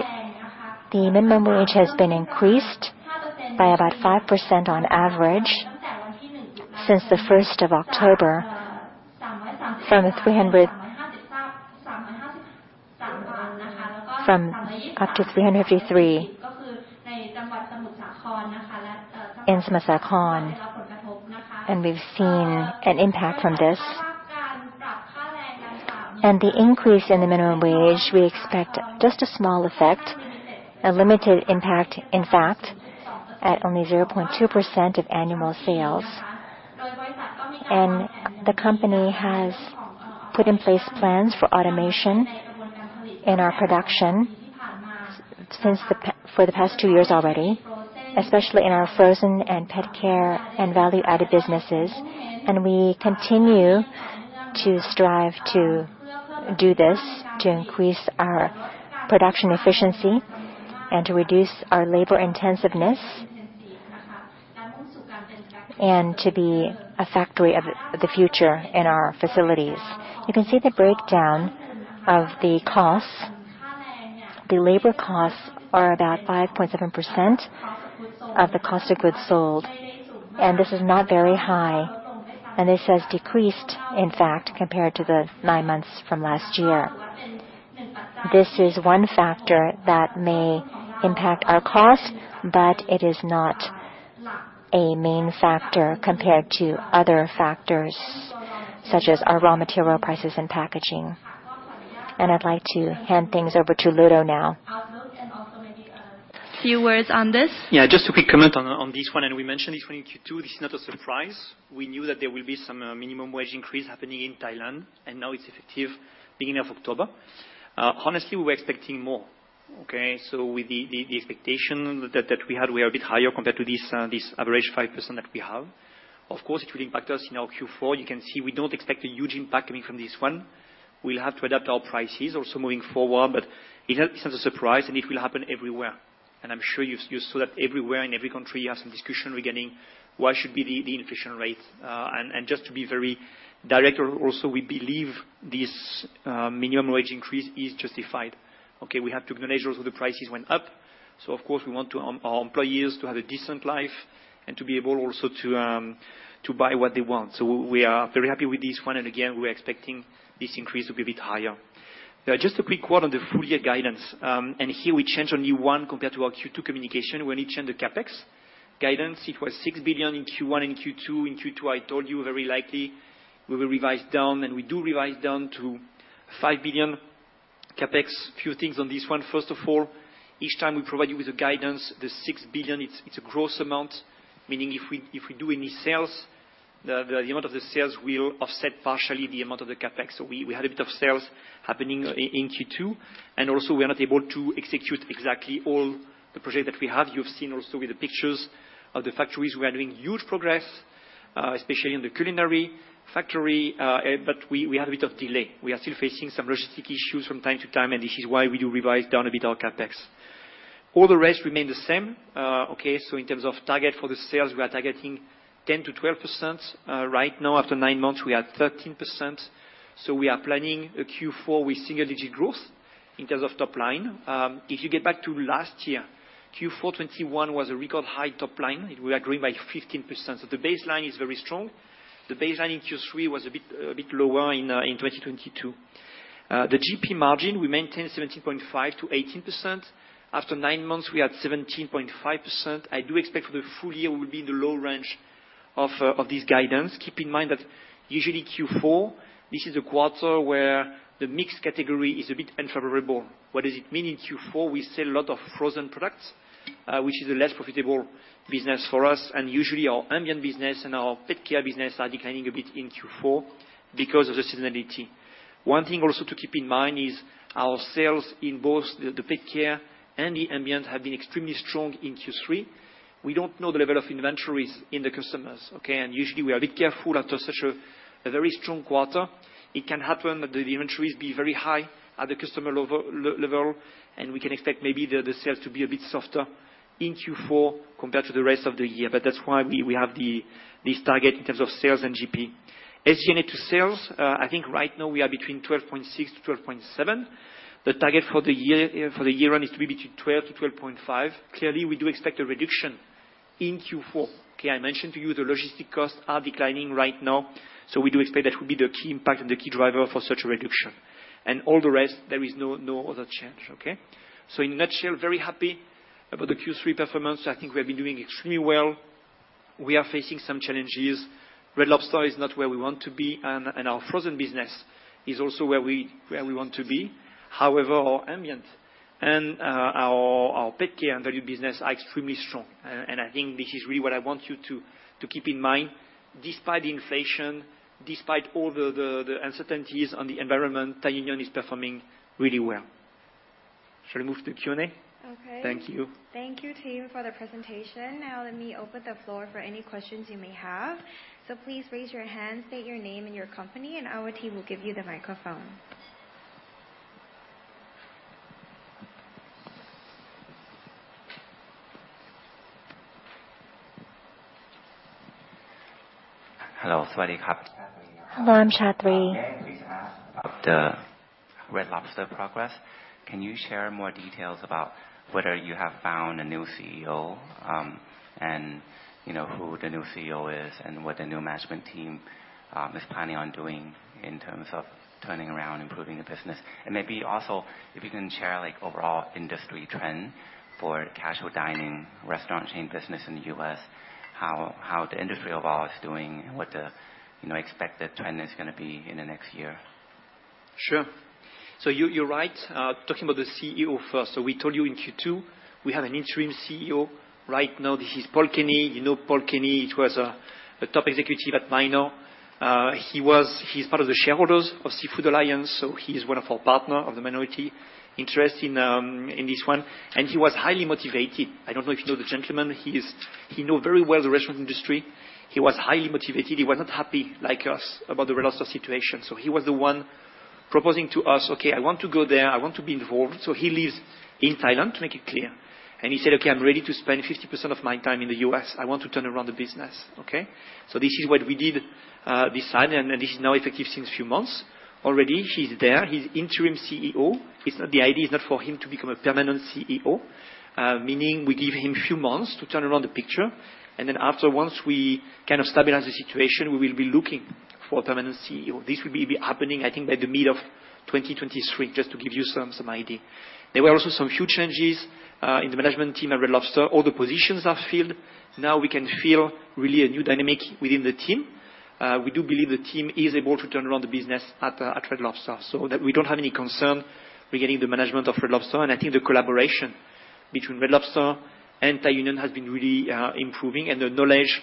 The minimum wage has been increased by about 5% on average since the first of October from up to 353 in Samut Sakhon, and we've seen an impact from this. The increase in the minimum wage, we expect just a small effect, a limited impact, in fact, at only 0.2% of annual sales. The company has put in place plans for automation in our production for the past two years already, especially in our frozen and pet care and value-added businesses. We continue to strive to do this, to increase our production efficiency and to reduce our labor intensiveness and to be a factory of the future in our facilities. You can see the breakdown of the costs. The labor costs are about 5.7% of the cost of goods sold, and this is not very high. This has decreased, in fact, compared to the nine months from last year. This is one factor that may impact our costs, but it is not a main factor compared to other factors such as our raw material prices and packaging. I'd like to hand things over to Ludo now. Also maybe a few words on this. Just a quick comment on this one, and we mentioned it in Q2. This is not a surprise. We knew that there will be some minimum wage increase happening in Thailand, and now it's effective beginning of October. Honestly, we were expecting more, okay? With the expectation that we had, we are a bit higher compared to this average 5% that we have. Of course, it will impact us in our Q4. You can see we don't expect a huge impact coming from this one. We'll have to adapt our prices also moving forward, but it's not a surprise, and it will happen everywhere. I'm sure you saw that everywhere in every country you have some discussion regarding what should be the inflation rate. Just to be very direct also, we believe this minimum wage increase is justified. Okay. We have to acknowledge also the prices went up, so of course, we want our employees to have a decent life and to be able also to buy what they want. We are very happy with this one. Again, we're expecting this increase to be a bit higher. Just a quick word on the full year guidance. Here we change only one compared to our Q2 communication, when we change the CapEx guidance. It was 6 billion in Q1 and Q2. In Q2, I told you very likely we will revise down, and we do revise down to 5 billion CapEx. Few things on this one. First of all, each time we provide you with the guidance, the 6 billion, it's a gross amount, meaning if we do any sales, the amount of the sales will offset partially the amount of the CapEx. We had a bit of sales happening in Q2, and also we are not able to execute exactly all the projects that we have. You've seen also with the pictures of the factories, we are doing huge progress, especially in the culinary factory. We had a bit of delay. We are still facing some logistic issues from time to time, and this is why we do revise down a bit our CapEx. All the rest remain the same. In terms of target for the sales, we are targeting 10%-12%. Right now after nine months, we are at 13%, so we are planning a Q4 with single-digit growth in terms of top line. If you get back to last year, Q4 2021 was a record high top line. We are growing by 15%. The baseline is very strong. The baseline in Q3 was a bit lower in 2022. The GP margin, we maintained 17.5%-18%. After nine months, we are at 17.5%. I do expect for the full year we will be in the low range of this guidance. Keep in mind that usually Q4, this is a quarter where the mixed category is a bit unfavorable. What does it mean? In Q4, we sell a lot of frozen products, which is a less profitable business for us, and usually our ambient business and our pet care business are declining a bit in Q4 because of the seasonality. One thing also to keep in mind is our sales in both the pet care and the ambient have been extremely strong in Q3. We don't know the level of inventories in the customers, okay? Usually we are a bit careful after such a very strong quarter. It can happen that the inventories be very high at the customer level, and we can expect maybe the sales to be a bit softer in Q4 compared to the rest of the year. That's why we have this target in terms of sales and GP. SG&A to sales, I think right now we are between 12.6%-12.7%. The target for the year, for the year-end is to be between 12%-12.5%. Clearly, we do expect a reduction in Q4. Okay. I mentioned to you the logistics costs are declining right now, so we do expect that will be the key impact and the key driver for such a reduction. All the rest, there is no other change. Okay. In a nutshell, very happy about the Q3 performance. I think we have been doing extremely well. We are facing some challenges. Red Lobster is not where we want to be and our frozen business is also not where we want to be. However, our ambient and our pet care and value business are extremely strong. I think this is really what I want you to keep in mind. Despite the inflation, despite all the uncertainties on the environment, Thai Union is performing really well. Shall I move to Q&A? Okay. Thank you. Thank you, Ludovic Garnier, for the presentation. Now let me open the floor for any questions you may have. Please raise your hand, state your name and your company, and our team will give you the microphone. May I please ask of the Red Lobster progress? Can you share more details about whether you have found a new CEO, and you know, who the new CEO is and what the new management team is planning on doing in terms of turning around, improving the business? Maybe also if you can share like overall industry trend for casual dining restaurant chain business in the U.S., how the industry overall is doing and what the, you know, expected trend is gonna be in the next year. Sure. You're right, talking about the CEO first. We told you in Q2, we have an interim CEO right now. This is Paul Kenny. You know Paul Kenny, he was a top executive at Minor. He's part of the shareholders of Seafood Alliance, so he's one of our partner of the minority interest in this one, and he was highly motivated. I don't know if you know the gentleman. He know very well the restaurant industry. He was highly motivated. He was not happy like us about the Red Lobster situation. He was the one proposing to us, "Okay, I want to go there. I want to be involved." He lives in Thailand, to make it clear, and he said, "Okay, I'm ready to spend 50% of my time in the U.S. I want to turn around the business." Okay? This is what we did decide, and this is now effective since a few months already. He's there. He's interim CEO. It's not. The idea is not for him to become a permanent CEO, meaning we give him a few months to turn around the business, and then after, once we kind of stabilize the situation, we will be looking for a permanent CEO. This will be happening, I think, by the middle of 2023, just to give you some idea. There were also some huge changes in the management team at Red Lobster. All the positions are filled. Now we can feel really a new dynamic within the team. We do believe the team is able to turn around the business at Red Lobster. We don't have any concern regarding the management of Red Lobster, and I think the collaboration between Red Lobster and Thai Union has been really improving, and the knowledge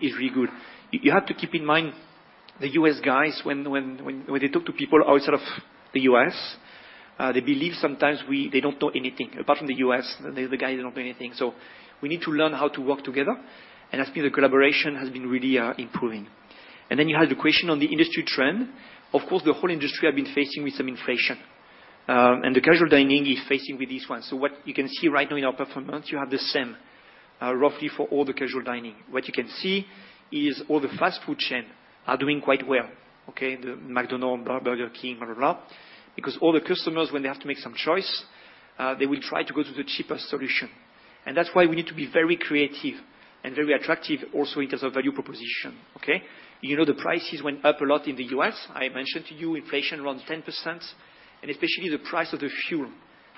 is really good. You have to keep in mind, the U.S. guys, when they talk to people outside of the U.S., they believe sometimes we don't know anything. Apart from the U.S., the guys don't know anything. We need to learn how to work together, and I think the collaboration has been really improving. You had the question on the industry trend. Of course, the whole industry have been facing with some inflation, and the casual dining is facing with this one. What you can see right now in our performance, you have the same, roughly for all the casual dining. What you can see is all the fast food chain are doing quite well, okay? The McDonald's, Burger King, blah, blah. Because all the customers when they have to make some choice, they will try to go to the cheapest solution. That's why we need to be very creative and very attractive also in terms of value proposition, okay? You know, the prices went up a lot in the U.S. I mentioned to you inflation around 10%, and especially the price of the fuel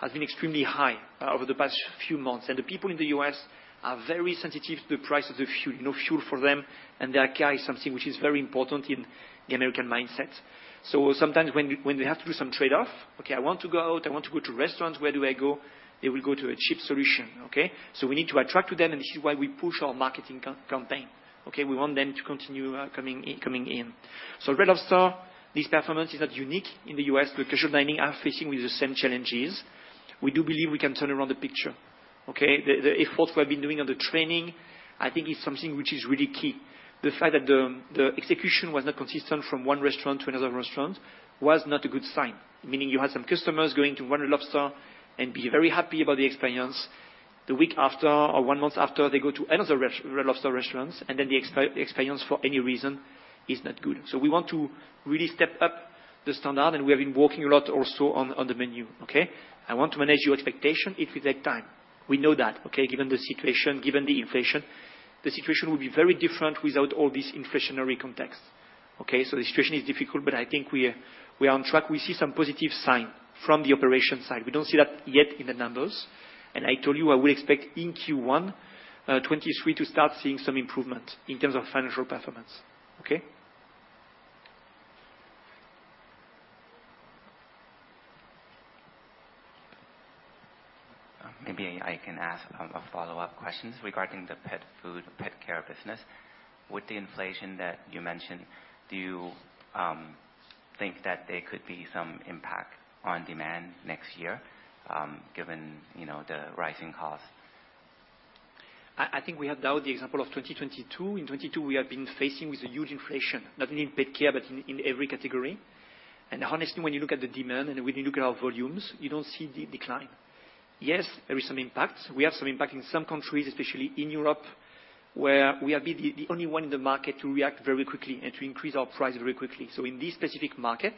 has been extremely high, over the past few months. The people in the U.S. are very sensitive to the price of the fuel. You know, fuel for them and their car is something which is very important in the American mindset. Sometimes when they have to do some trade-off, okay? I want to go out, I want to go to restaurants, where do I go? They will go to a cheap solution, okay? We need to attract to them, and this is why we push our marketing campaign, okay? We want them to continue coming in. Red Lobster, this performance is not unique in the U.S., because casual dining are facing with the same challenges. We do believe we can turn around the picture, okay? The efforts we have been doing on the training, I think is something which is really key. The fact that the execution was not consistent from one restaurant to another restaurant was not a good sign. Meaning you had some customers going to one Lobster and be very happy about the experience. The week after or one month after, they go to another Red Lobster restaurants, and then the experience for any reason is not good. We want to really step up the standard, and we have been working a lot also on the menu, okay? I want to manage your expectation, it will take time. We know that, okay? Given the situation, given the inflation, the situation will be very different without all this inflationary context, okay? The situation is difficult, but I think we are on track. We see some positive sign from the operation side. We don't see that yet in the numbers, and I told you I will expect in Q1 2023 to start seeing some improvement in terms of financial performance. Okay? Maybe I can ask a follow-up questions regarding the pet food, pet care business. With the inflation that you mentioned, do you think that there could be some impact on demand next year, given, you know, the rising costs? I think we have now the example of 2022. In 2022, we have been facing with a huge inflation, not only in pet care, but in every category. Honestly, when you look at the demand and when you look at our volumes, you don't see the decline. Yes, there is some impact. We have some impact in some countries, especially in Europe, where we have been the only one in the market to react very quickly and to increase our price very quickly. In this specific market,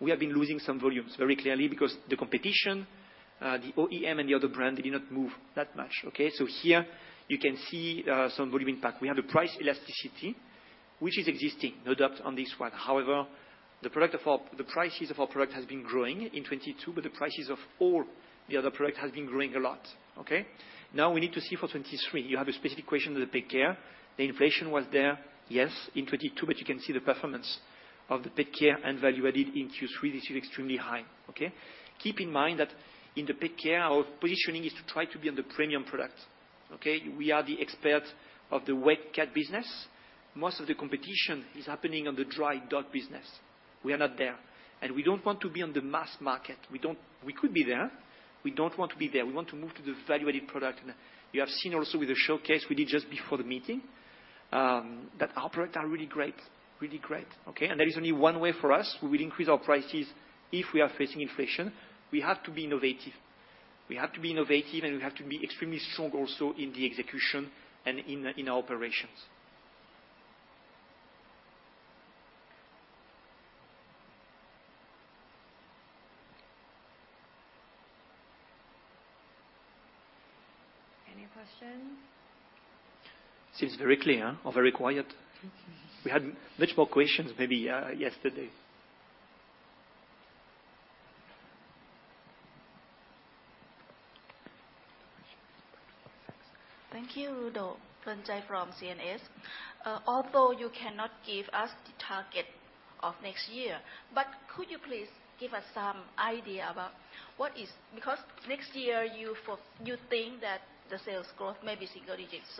we have been losing some volumes very clearly because the competition, the OEM and the other brand, they did not move that much, okay? Here you can see, some volume impact. We have the price elasticity, which is existing, no doubt on this one. However, the prices of our product has been growing in 2022, but the prices of all the other product has been growing a lot, okay? Now we need to see for 2023. You have a specific question on the pet care. The inflation was there, yes, in 2022, but you can see the performance of the pet care and value added in Q3. This is extremely high, okay? Keep in mind that in the pet care, our positioning is to try to be on the premium product, okay? We are the experts of the wet cat business. Most of the competition is happening on the dry dog business. We are not there, and we don't want to be on the mass market. We could be there. We don't want to be there. We want to move to the value-added product. You have seen also with the showcase we did just before the meeting, that our products are really great, okay. There is only one way for us. We will increase our prices if we are facing inflation. We have to be innovative, and we have to be extremely strong also in the execution and in our operations. Any questions? Seems very clear, huh? Or very quiet. We had much more questions maybe, yesterday. Thank you, Ludo. Fern Jai from CNS. Although you cannot give us the target of next year, but could you please give us some idea about what is. Because next year you think that the sales growth may be single digits.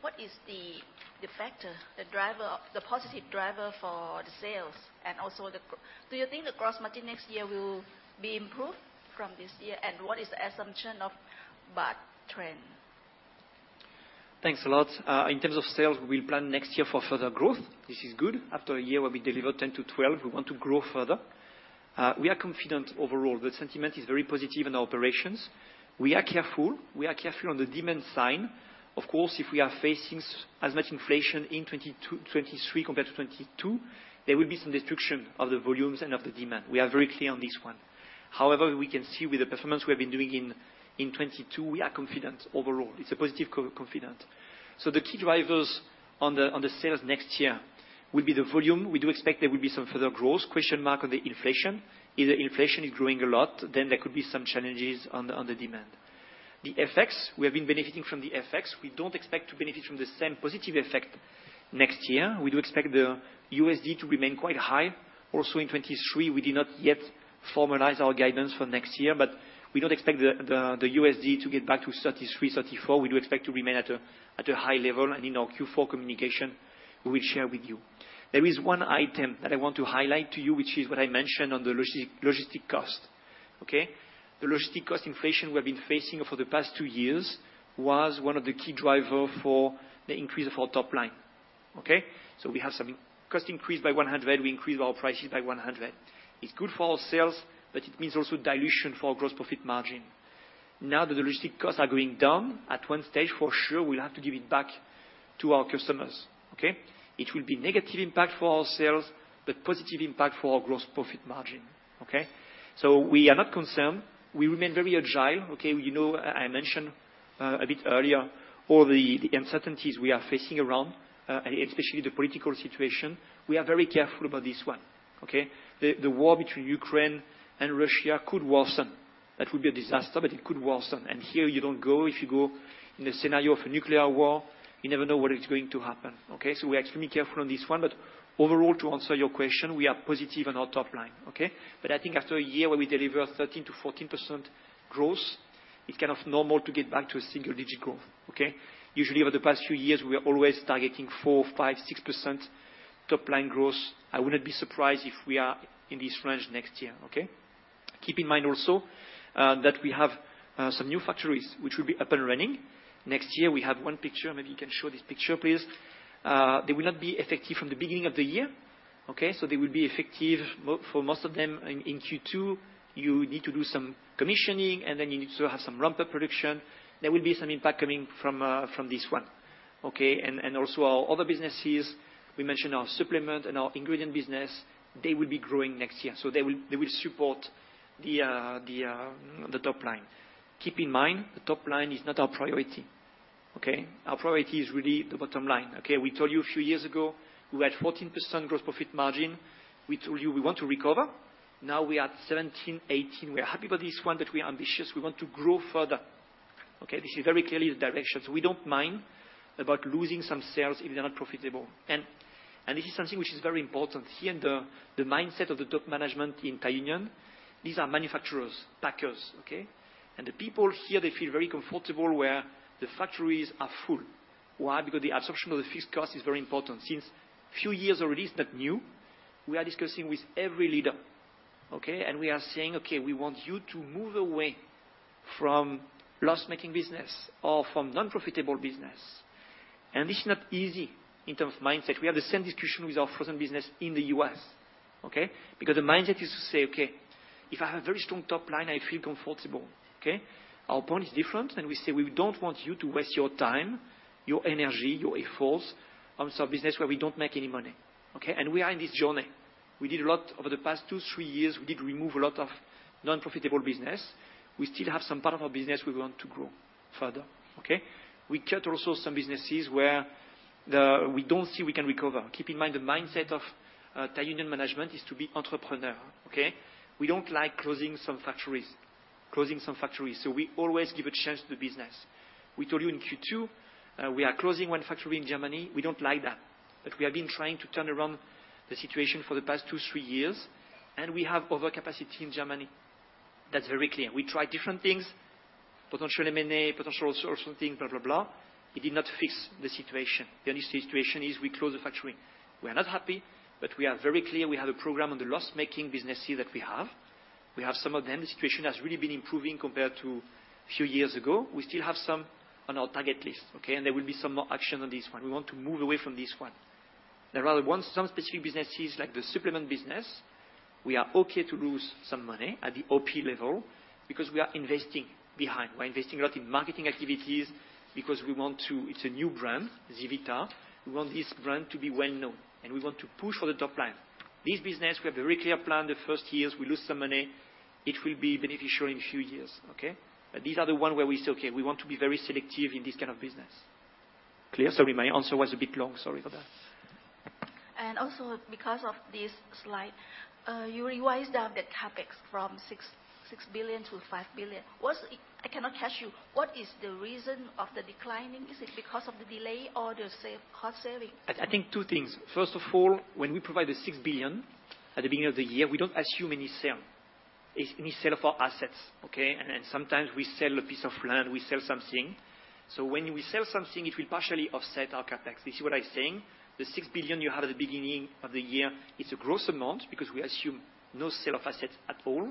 What is the factor, the driver, the positive driver for the sales and also, do you think the gross margin next year will be improved from this year? And what is the assumption of baht trend? Thanks a lot. In terms of sales, we plan next year for further growth. This is good. After a year where we deliver 10%-12%, we want to grow further. We are confident overall. The sentiment is very positive in our operations. We are careful on the demand side. Of course, if we are facing as much inflation in 2023 compared to 2022, there will be some destruction of the volumes and of the demand. We are very clear on this one. However, we can see with the performance we have been doing in 2022, we are confident overall. It's a positive confident. The key drivers on the sales next year will be the volume. We do expect there will be some further growth. Question mark on the inflation. If the inflation is growing a lot, then there could be some challenges on the demand. The FX, we have been benefiting from the FX. We don't expect to benefit from the same positive effect next year. We do expect the USD to remain quite high. Also in 2023, we did not yet formalize our guidance for next year, but we don't expect the USD to get back to 33-34. We do expect to remain at a high level. In our Q4 communication, we will share with you. There is one item that I want to highlight to you, which is what I mentioned on the logistic cost. Okay. The logistic cost inflation we have been facing for the past two years was one of the key driver for the increase of our top line. Okay? We have some cost increase by 100, we increase our prices by 100. It's good for our sales, but it means also dilution for our gross profit margin. Now that the logistics costs are going down, at one stage, for sure, we'll have to give it back to our customers, okay? It will be negative impact for our sales, but positive impact for our gross profit margin. Okay? We are not concerned. We remain very agile, okay. You know, I mentioned a bit earlier all the uncertainties we are facing around, especially the political situation. We are very careful about this one, okay? The war between Ukraine and Russia could worsen. That would be a disaster, but it could worsen. Here you don't go. If you go in a scenario of a nuclear war, you never know what is going to happen, okay? We're extremely careful on this one. Overall, to answer your question, we are positive on our top line, okay? I think after a year where we deliver 13%-14% growth, it's kind of normal to get back to a single-digit growth, okay? Usually over the past few years, we are always targeting 4%, 5%, 6% top line growth. I wouldn't be surprised if we are in this range next year. Okay? Keep in mind also that we have some new factories which will be up and running next year. We have one picture. Maybe you can show this picture, please. They will not be effective from the beginning of the year, okay? They will be effective more for most of them in Q2. You need to do some commissioning, and then you need to have some ramp-up production. There will be some impact coming from this one, okay? Also our other businesses, we mentioned our supplement and our ingredient business, they will be growing next year, so they will support the top line. Keep in mind, the top line is not our priority. Okay? Our priority is really the bottom line. Okay? We told you a few years ago, we were at 14% gross profit margin. We told you we want to recover. Now we are at 17%-18%. We are happy about this one, but we are ambitious. We want to grow further. Okay? This is very clearly the direction. We don't mind about losing some sales if they're not profitable. This is something which is very important here in the mindset of the top management in Thai Union. These are manufacturers, packers, okay? The people here, they feel very comfortable where the factories are full. Why? Because the absorption of the fixed cost is very important. Since few years already, it's not new, we are discussing with every leader, okay? We are saying, "Okay, we want you to move away from loss-making business or from non-profitable business." This is not easy in terms of mindset. We have the same discussion with our frozen business in the U.S., okay? Because the mindset is to say, "Okay, if I have a very strong top line, I feel comfortable." Okay? Our point is different. We say, "We don't want you to waste your time, your energy, your efforts on some business where we don't make any money." Okay? We are in this journey. We did a lot over the past 2, 3 years. We did remove a lot of non-profitable business. We still have some part of our business we want to grow further, okay? We cut also some businesses where we don't see we can recover. Keep in mind, the mindset of Thai Union management is to be entrepreneur, okay? We don't like closing some factories, so we always give a chance to the business. We told you in Q2, we are closing one factory in Germany. We don't like that, but we have been trying to turn around the situation for the past two, three years, and we have overcapacity in Germany. That's very clear. We tried different things, potential M&A, potential source or something, blah, blah. It did not fix the situation. The only situation is we close the factory. We are not happy, but we are very clear we have a program on the loss-making businesses that we have. We have some of them. The situation has really been improving compared to a few years ago. We still have some on our target list, okay? There will be some more action on this one. We want to move away from this one. There are some specific businesses, like the supplement business, we are okay to lose some money at the OP level because we are investing behind. We are investing a lot in marketing activities because we want to. It's a new brand, ZEAvita. We want this brand to be well-known, and we want to push for the top line. This business, we have a very clear plan. The first years we lose some money, it will be beneficial in few years, okay? These are the one where we say, "Okay, we want to be very selective in this kind of business." Clear? Sorry, my answer was a bit long. Sorry for that. Because of this slide, you revised down the CapEx from 6 billion-5 billion. I cannot catch you. What is the reason of the declining? Is it because of the delay or the cost saving? I think two things. First of all, when we provide the 6 billion at the beginning of the year, we don't assume any sale of our assets, okay? Sometimes we sell a piece of land, we sell something. When we sell something, it will partially offset our CapEx. This is what I'm saying. The 6 billion you have at the beginning of the year is a gross amount because we assume no sale of assets at all.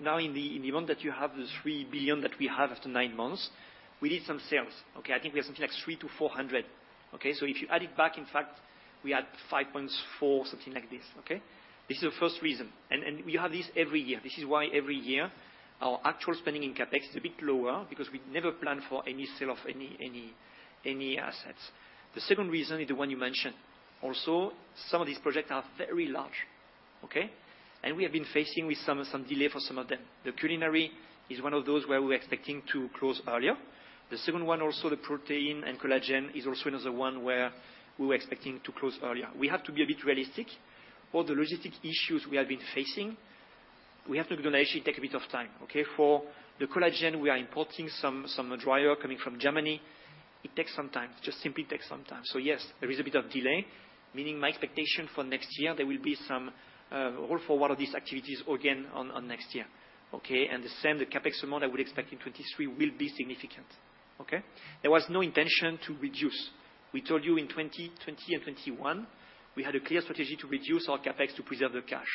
Now in the amount that you have, the 3 billion that we have after nine months, we did some sales. Okay? I think we have something like 300-400. Okay? If you add it back, in fact we had 5.4 billion, something like this. Okay? This is the first reason. We have this every year. This is why every year our actual spending in CapEx is a bit lower because we never plan for any sale of any assets. The second reason is the one you mentioned. Also, some of these projects are very large, okay? We have been facing with some delay for some of them. The culinary is one of those where we're expecting to close earlier. The second one, also the protein and collagen is also another one where we were expecting to close earlier. We have to be a bit realistic. All the logistic issues we have been facing, we have to actually take a bit of time, okay? For the collagen, we are importing some dryer coming from Germany. It takes some time. Just simply takes some time. Yes, there is a bit of delay, meaning my expectation for next year there will be some hold for one of these activities again on next year. Okay? The same, the CapEx amount I would expect in 2023 will be significant. Okay? There was no intention to reduce. We told you in 2020 and 2021, we had a clear strategy to reduce our CapEx to preserve the cash.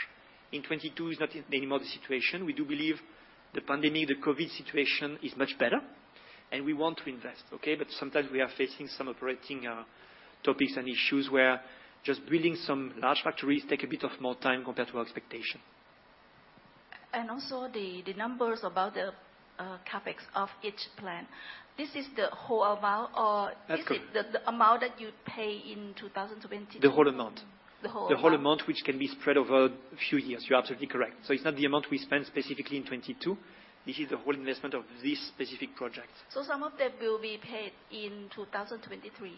In 2022, it's not anymore the situation. We do believe the pandemic, the COVID situation is much better. We want to invest, okay? Sometimes we are facing some operating topics and issues where just building some large factories take a bit of more time compared to our expectation. Also the numbers about the CapEx of each plant. This is the whole amount or- That's correct. Is it the amount that you'd pay in 2022? The whole amount. The whole amount. The whole amount which can be spread over a few years. You're absolutely correct. It's not the amount we spend specifically in 2022. This is the whole investment of this specific project. Some of that will be paid in 2023?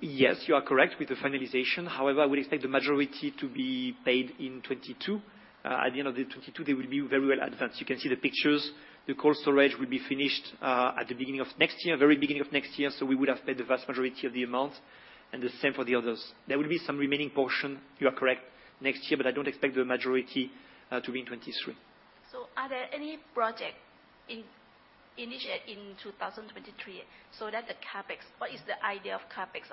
Yes, you are correct, with the finalization. However, we expect the majority to be paid in 2022. At the end of 2022, they will be very well advanced. You can see the pictures. The cold storage will be finished at the beginning of next year, very beginning of next year, so we would have paid the vast majority of the amount, and the same for the others. There will be some remaining portion, you are correct, next year, but I don't expect the majority to be in 2023. Are there any project initiated in 2023 so that the CapEx? What is the idea of CapEx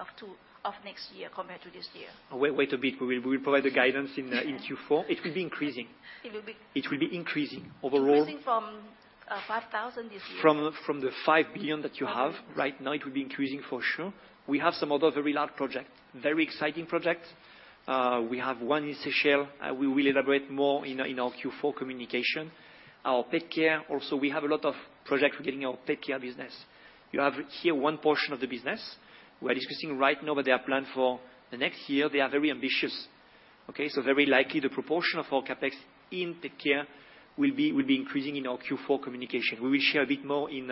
of next year compared to this year? Wait a bit. We will provide the guidance in Q4. It will be increasing. It will be- It will be increasing overall. Increasing from 5,000 this year. From the 5 billion that you have right now, it will be increasing for sure. We have some other very large project, very exciting projects. We have one in Seychelles. We will elaborate more in our Q4 communication. Our pet care also, we have a lot of project for getting our pet care business. You have here one portion of the business. We are discussing right now that they are planned for the next year. They are very ambitious, okay? Very likely the proportion of our CapEx in pet care will be increasing in our Q4 communication. We will share a bit more in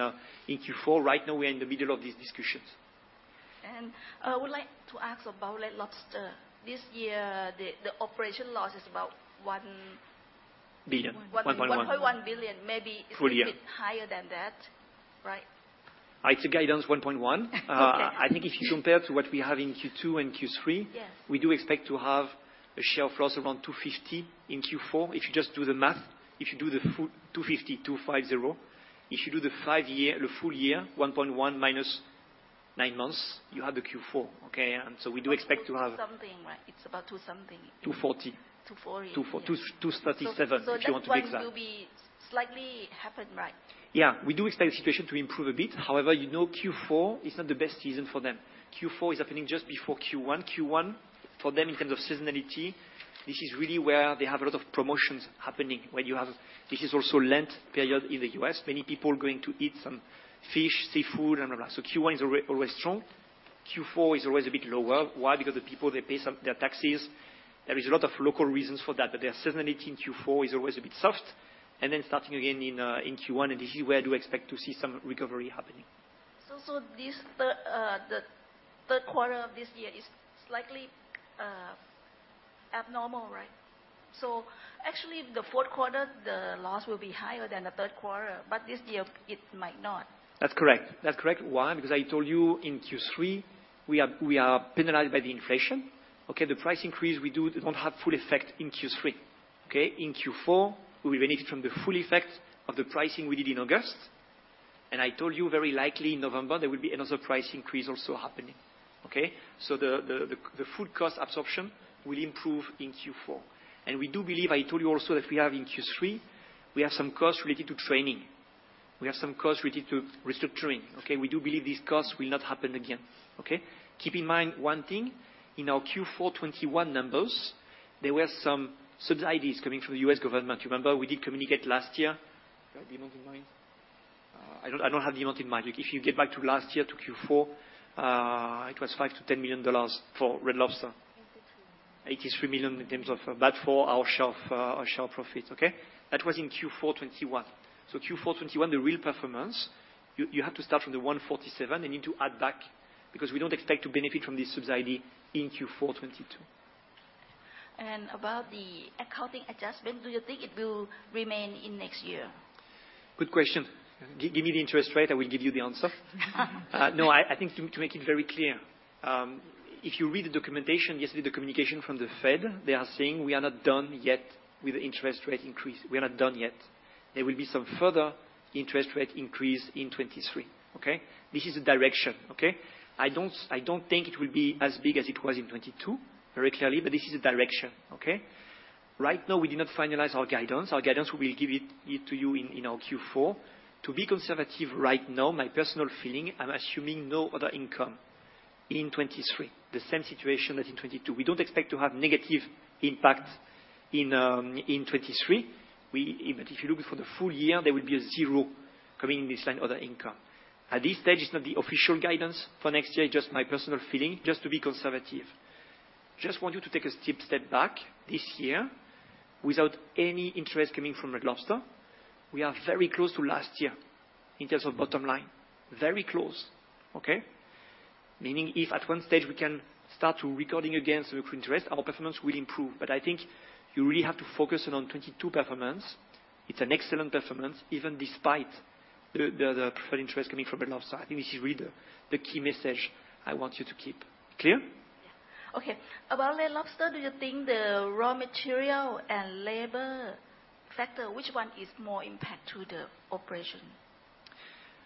Q4. Right now, we are in the middle of these discussions. I would like to ask about Red Lobster. This year, the operating loss is about one- billion. 1.1 billion. Full year. A bit higher than that, right? It's a guidance 1.1. Okay. I think if you compare to what we have in Q2 and Q3. Yes We do expect to have a share of loss around 250 in Q4. If you just do the math, if you do the 250. If you do the five-year, the full year, 1.1 minus nine months, you have the Q4, okay? We do expect to have. Two something, right? It's about two something. 2:40. 240. 2,237, if you want to be exact. That one will be slightly higher, right? Yeah. We do expect the situation to improve a bit. However, you know Q4 is not the best season for them. Q4 is happening just before Q1. Q1, for them in terms of seasonality, this is really where they have a lot of promotions happening. This is also Lent period in the U.S. Many people going to eat some fish, seafood and all that. Q1 is always strong. Q4 is always a bit lower. Why? Because the people, they pay some their taxes. There is a lot of local reasons for that. Their seasonality in Q4 is always a bit soft. Starting again in Q1, and this is where I do expect to see some recovery happening. This third quarter of this year is slightly abnormal, right? Actually the fourth quarter, the loss will be higher than the third quarter, but this year it might not. That's correct. Why? Because I told you in Q3, we are penalized by the inflation, okay? The price increase we do, it won't have full effect in Q3, okay? In Q4, we will benefit from the full effect of the pricing we did in August. I told you very likely in November there will be another price increase also happening, okay? The full cost absorption will improve in Q4. We do believe, I told you also that we have in Q3 some costs related to training. We have some costs related to restructuring, okay? We do believe these costs will not happen again, okay? Keep in mind one thing. In our Q4 2021 numbers, there were some subsidies coming from the U.S. government. You remember we did communicate last year. You have the amount in mind? I don't have the amount in mind. If you get back to last year, to Q4, it was $5 million-$10 million for Red Lobster. 83 million. THB 83 million in terms of bad for our sales, our sales profits, okay? That was in Q4 2021. Q4 2021, the real performance, you have to start from the 147 million and you need to add back, because we don't expect to benefit from this subsidy in Q4 2022. About the accounting adjustment, do you think it will remain in next year? Good question. Give me the interest rate, I will give you the answer. No, I think to make it very clear, if you read the documentation, yesterday the communication from the Fed, they are saying we are not done yet with interest rate increase. We are not done yet. There will be some further interest rate increase in 2023, okay? This is the direction, okay? I don't think it will be as big as it was in 2022, very clearly, but this is the direction, okay? Right now, we did not finalize our guidance. Our guidance, we will give it to you in our Q4. To be conservative right now, my personal feeling, I'm assuming no other income in 2023. The same situation as in 2022. We don't expect to have negative impact in 2023. We If you look for the full year, there will be a zero coming this line other income. At this stage, it's not the official guidance for next year, just my personal feeling, just to be conservative. Just want you to take a steep step back this year without any interest coming from Red Lobster. We are very close to last year in terms of bottom line. Very close, okay? Meaning if at one stage we can start to recording against interest, our performance will improve. I think you really have to focus in on 2022 performance. It's an excellent performance, even despite the preferred interest coming from Red Lobster. I think this is really the key message I want you to keep. Clear? Yeah. Okay. About Red Lobster, do you think the raw material and labor factor, which one is more impact to the operation?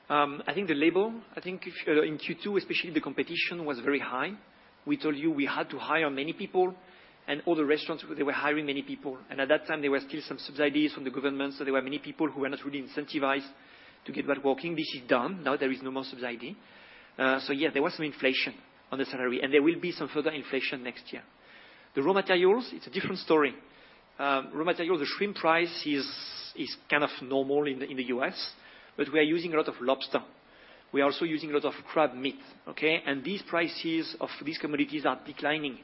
I think if in Q2 especially, the competition was very high. We told you we had to hire many people, and all the restaurants, they were hiring many people. At that time, there were still some subsidies from the government, so there were many people who were not really incentivized to get back working. This is done. Now there is no more subsidy. So yeah, there was some inflation on the salary, and there will be some further inflation next year. The raw materials, it's a different story. Raw material, the shrimp price is kind of normal in the U.S., but we are using a lot of lobster. We are also using a lot of crab meat, okay? These prices of these commodities are declining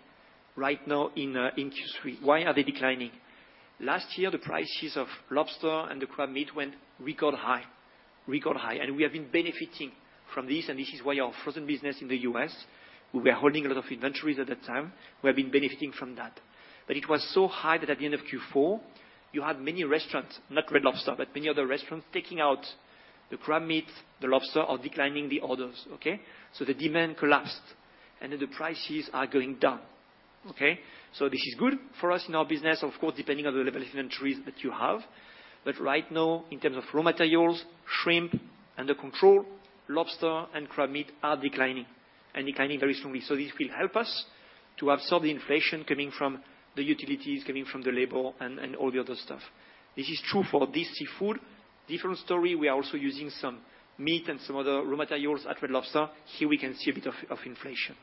right now in Q3. Why are they declining? Last year, the prices of lobster and the crab meat went record high, and we have been benefiting from this, and this is why our frozen business in the U.S., we were holding a lot of inventories at that time. We have been benefiting from that. It was so high that at the end of Q4, you had many restaurants, not Red Lobster, but many other restaurants taking out the crab meat, the lobster, or declining the orders. Okay? The demand collapsed, and then the prices are going down. Okay? This is good for us in our business. Of course, depending on the level of inventories that you have, but right now, in terms of raw materials, shrimp under control, lobster and crab meat are declining very strongly. This will help us to absorb the inflation coming from the utilities, coming from the labor, and all the other stuff. This is true for this seafood. Different story. We are also using some meat and some other raw materials at Red Lobster. Here we can see a bit of inflation.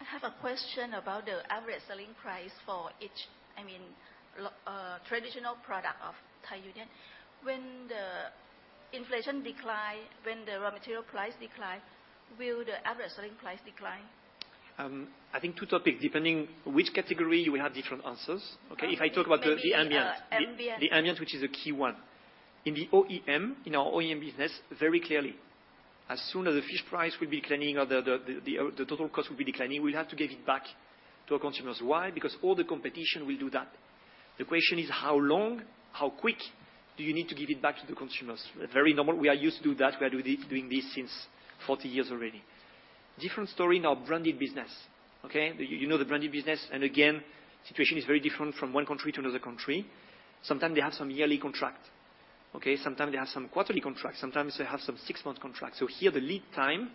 I have a question about the average selling price for each traditional product of Thai Union. When the inflation decline, when the raw material price decline, will the average selling price decline? I think two topics. Depending which category, you will have different answers. Okay? If I talk about the ambient- Maybe in the ambient. The ambient, which is a key one. In the OEM, in our OEM business, very clearly. As soon as the fish price will be declining or the total cost will be declining, we'll have to give it back to our consumers. Why? Because all the competition will do that. The question is how long, how quick do you need to give it back to the consumers? Very normal. We are used to do that. We are doing this since 40 years already. Different story in our branded business, okay? You know the branded business, and again, situation is very different from one country to another country. Sometimes they have some yearly contract, okay? Sometimes they have some quarterly contracts. Sometimes they have some six-month contracts. So here the lead time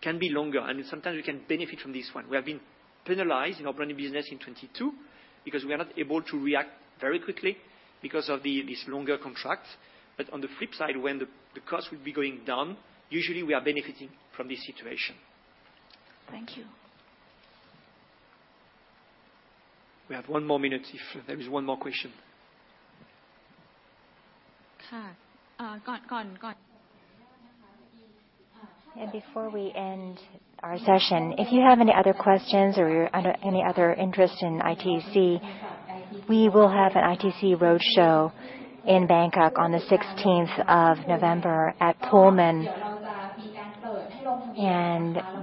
can be longer, and sometimes we can benefit from this one. We have been penalized in our branded business in 2022 because we are not able to react very quickly because of this longer contract. On the flip side, when the cost will be going down, usually we are benefiting from this situation. Thank you. We have one more minute if there is one more question. Before we end our session, if you have any other questions or any other interest in ITC, we will have an ITC roadshow in Bangkok on the sixteenth of November at Pullman.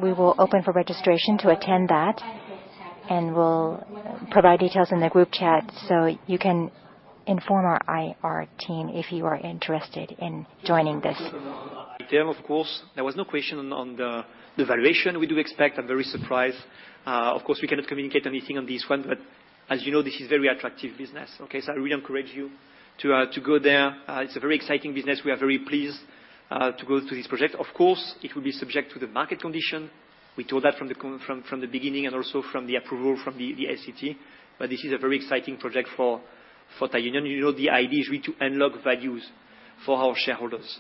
We will open for registration to attend that, and we'll provide details in the group chat, so you can inform our IR team if you are interested in joining this. Item, of course. There was no question on the valuation we do expect. I'm very surprised. Of course we cannot communicate anything on this one, but as you know, this is very attractive business, okay? I really encourage you to go there. It's a very exciting business. We are very pleased to go through this project. Of course, it will be subject to the market condition. We told that from the beginning and also from the approval from the SEC, but this is a very exciting project for Thai Union. You know the idea is really to unlock values for our shareholders.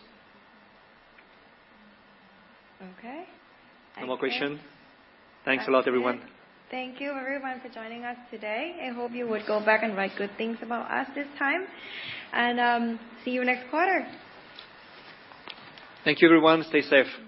Okay. I think No more questions? Thanks a lot, everyone. Thank you everyone for joining us today. I hope you would go back and write good things about us this time and see you next quarter. Thank you, everyone. Stay safe.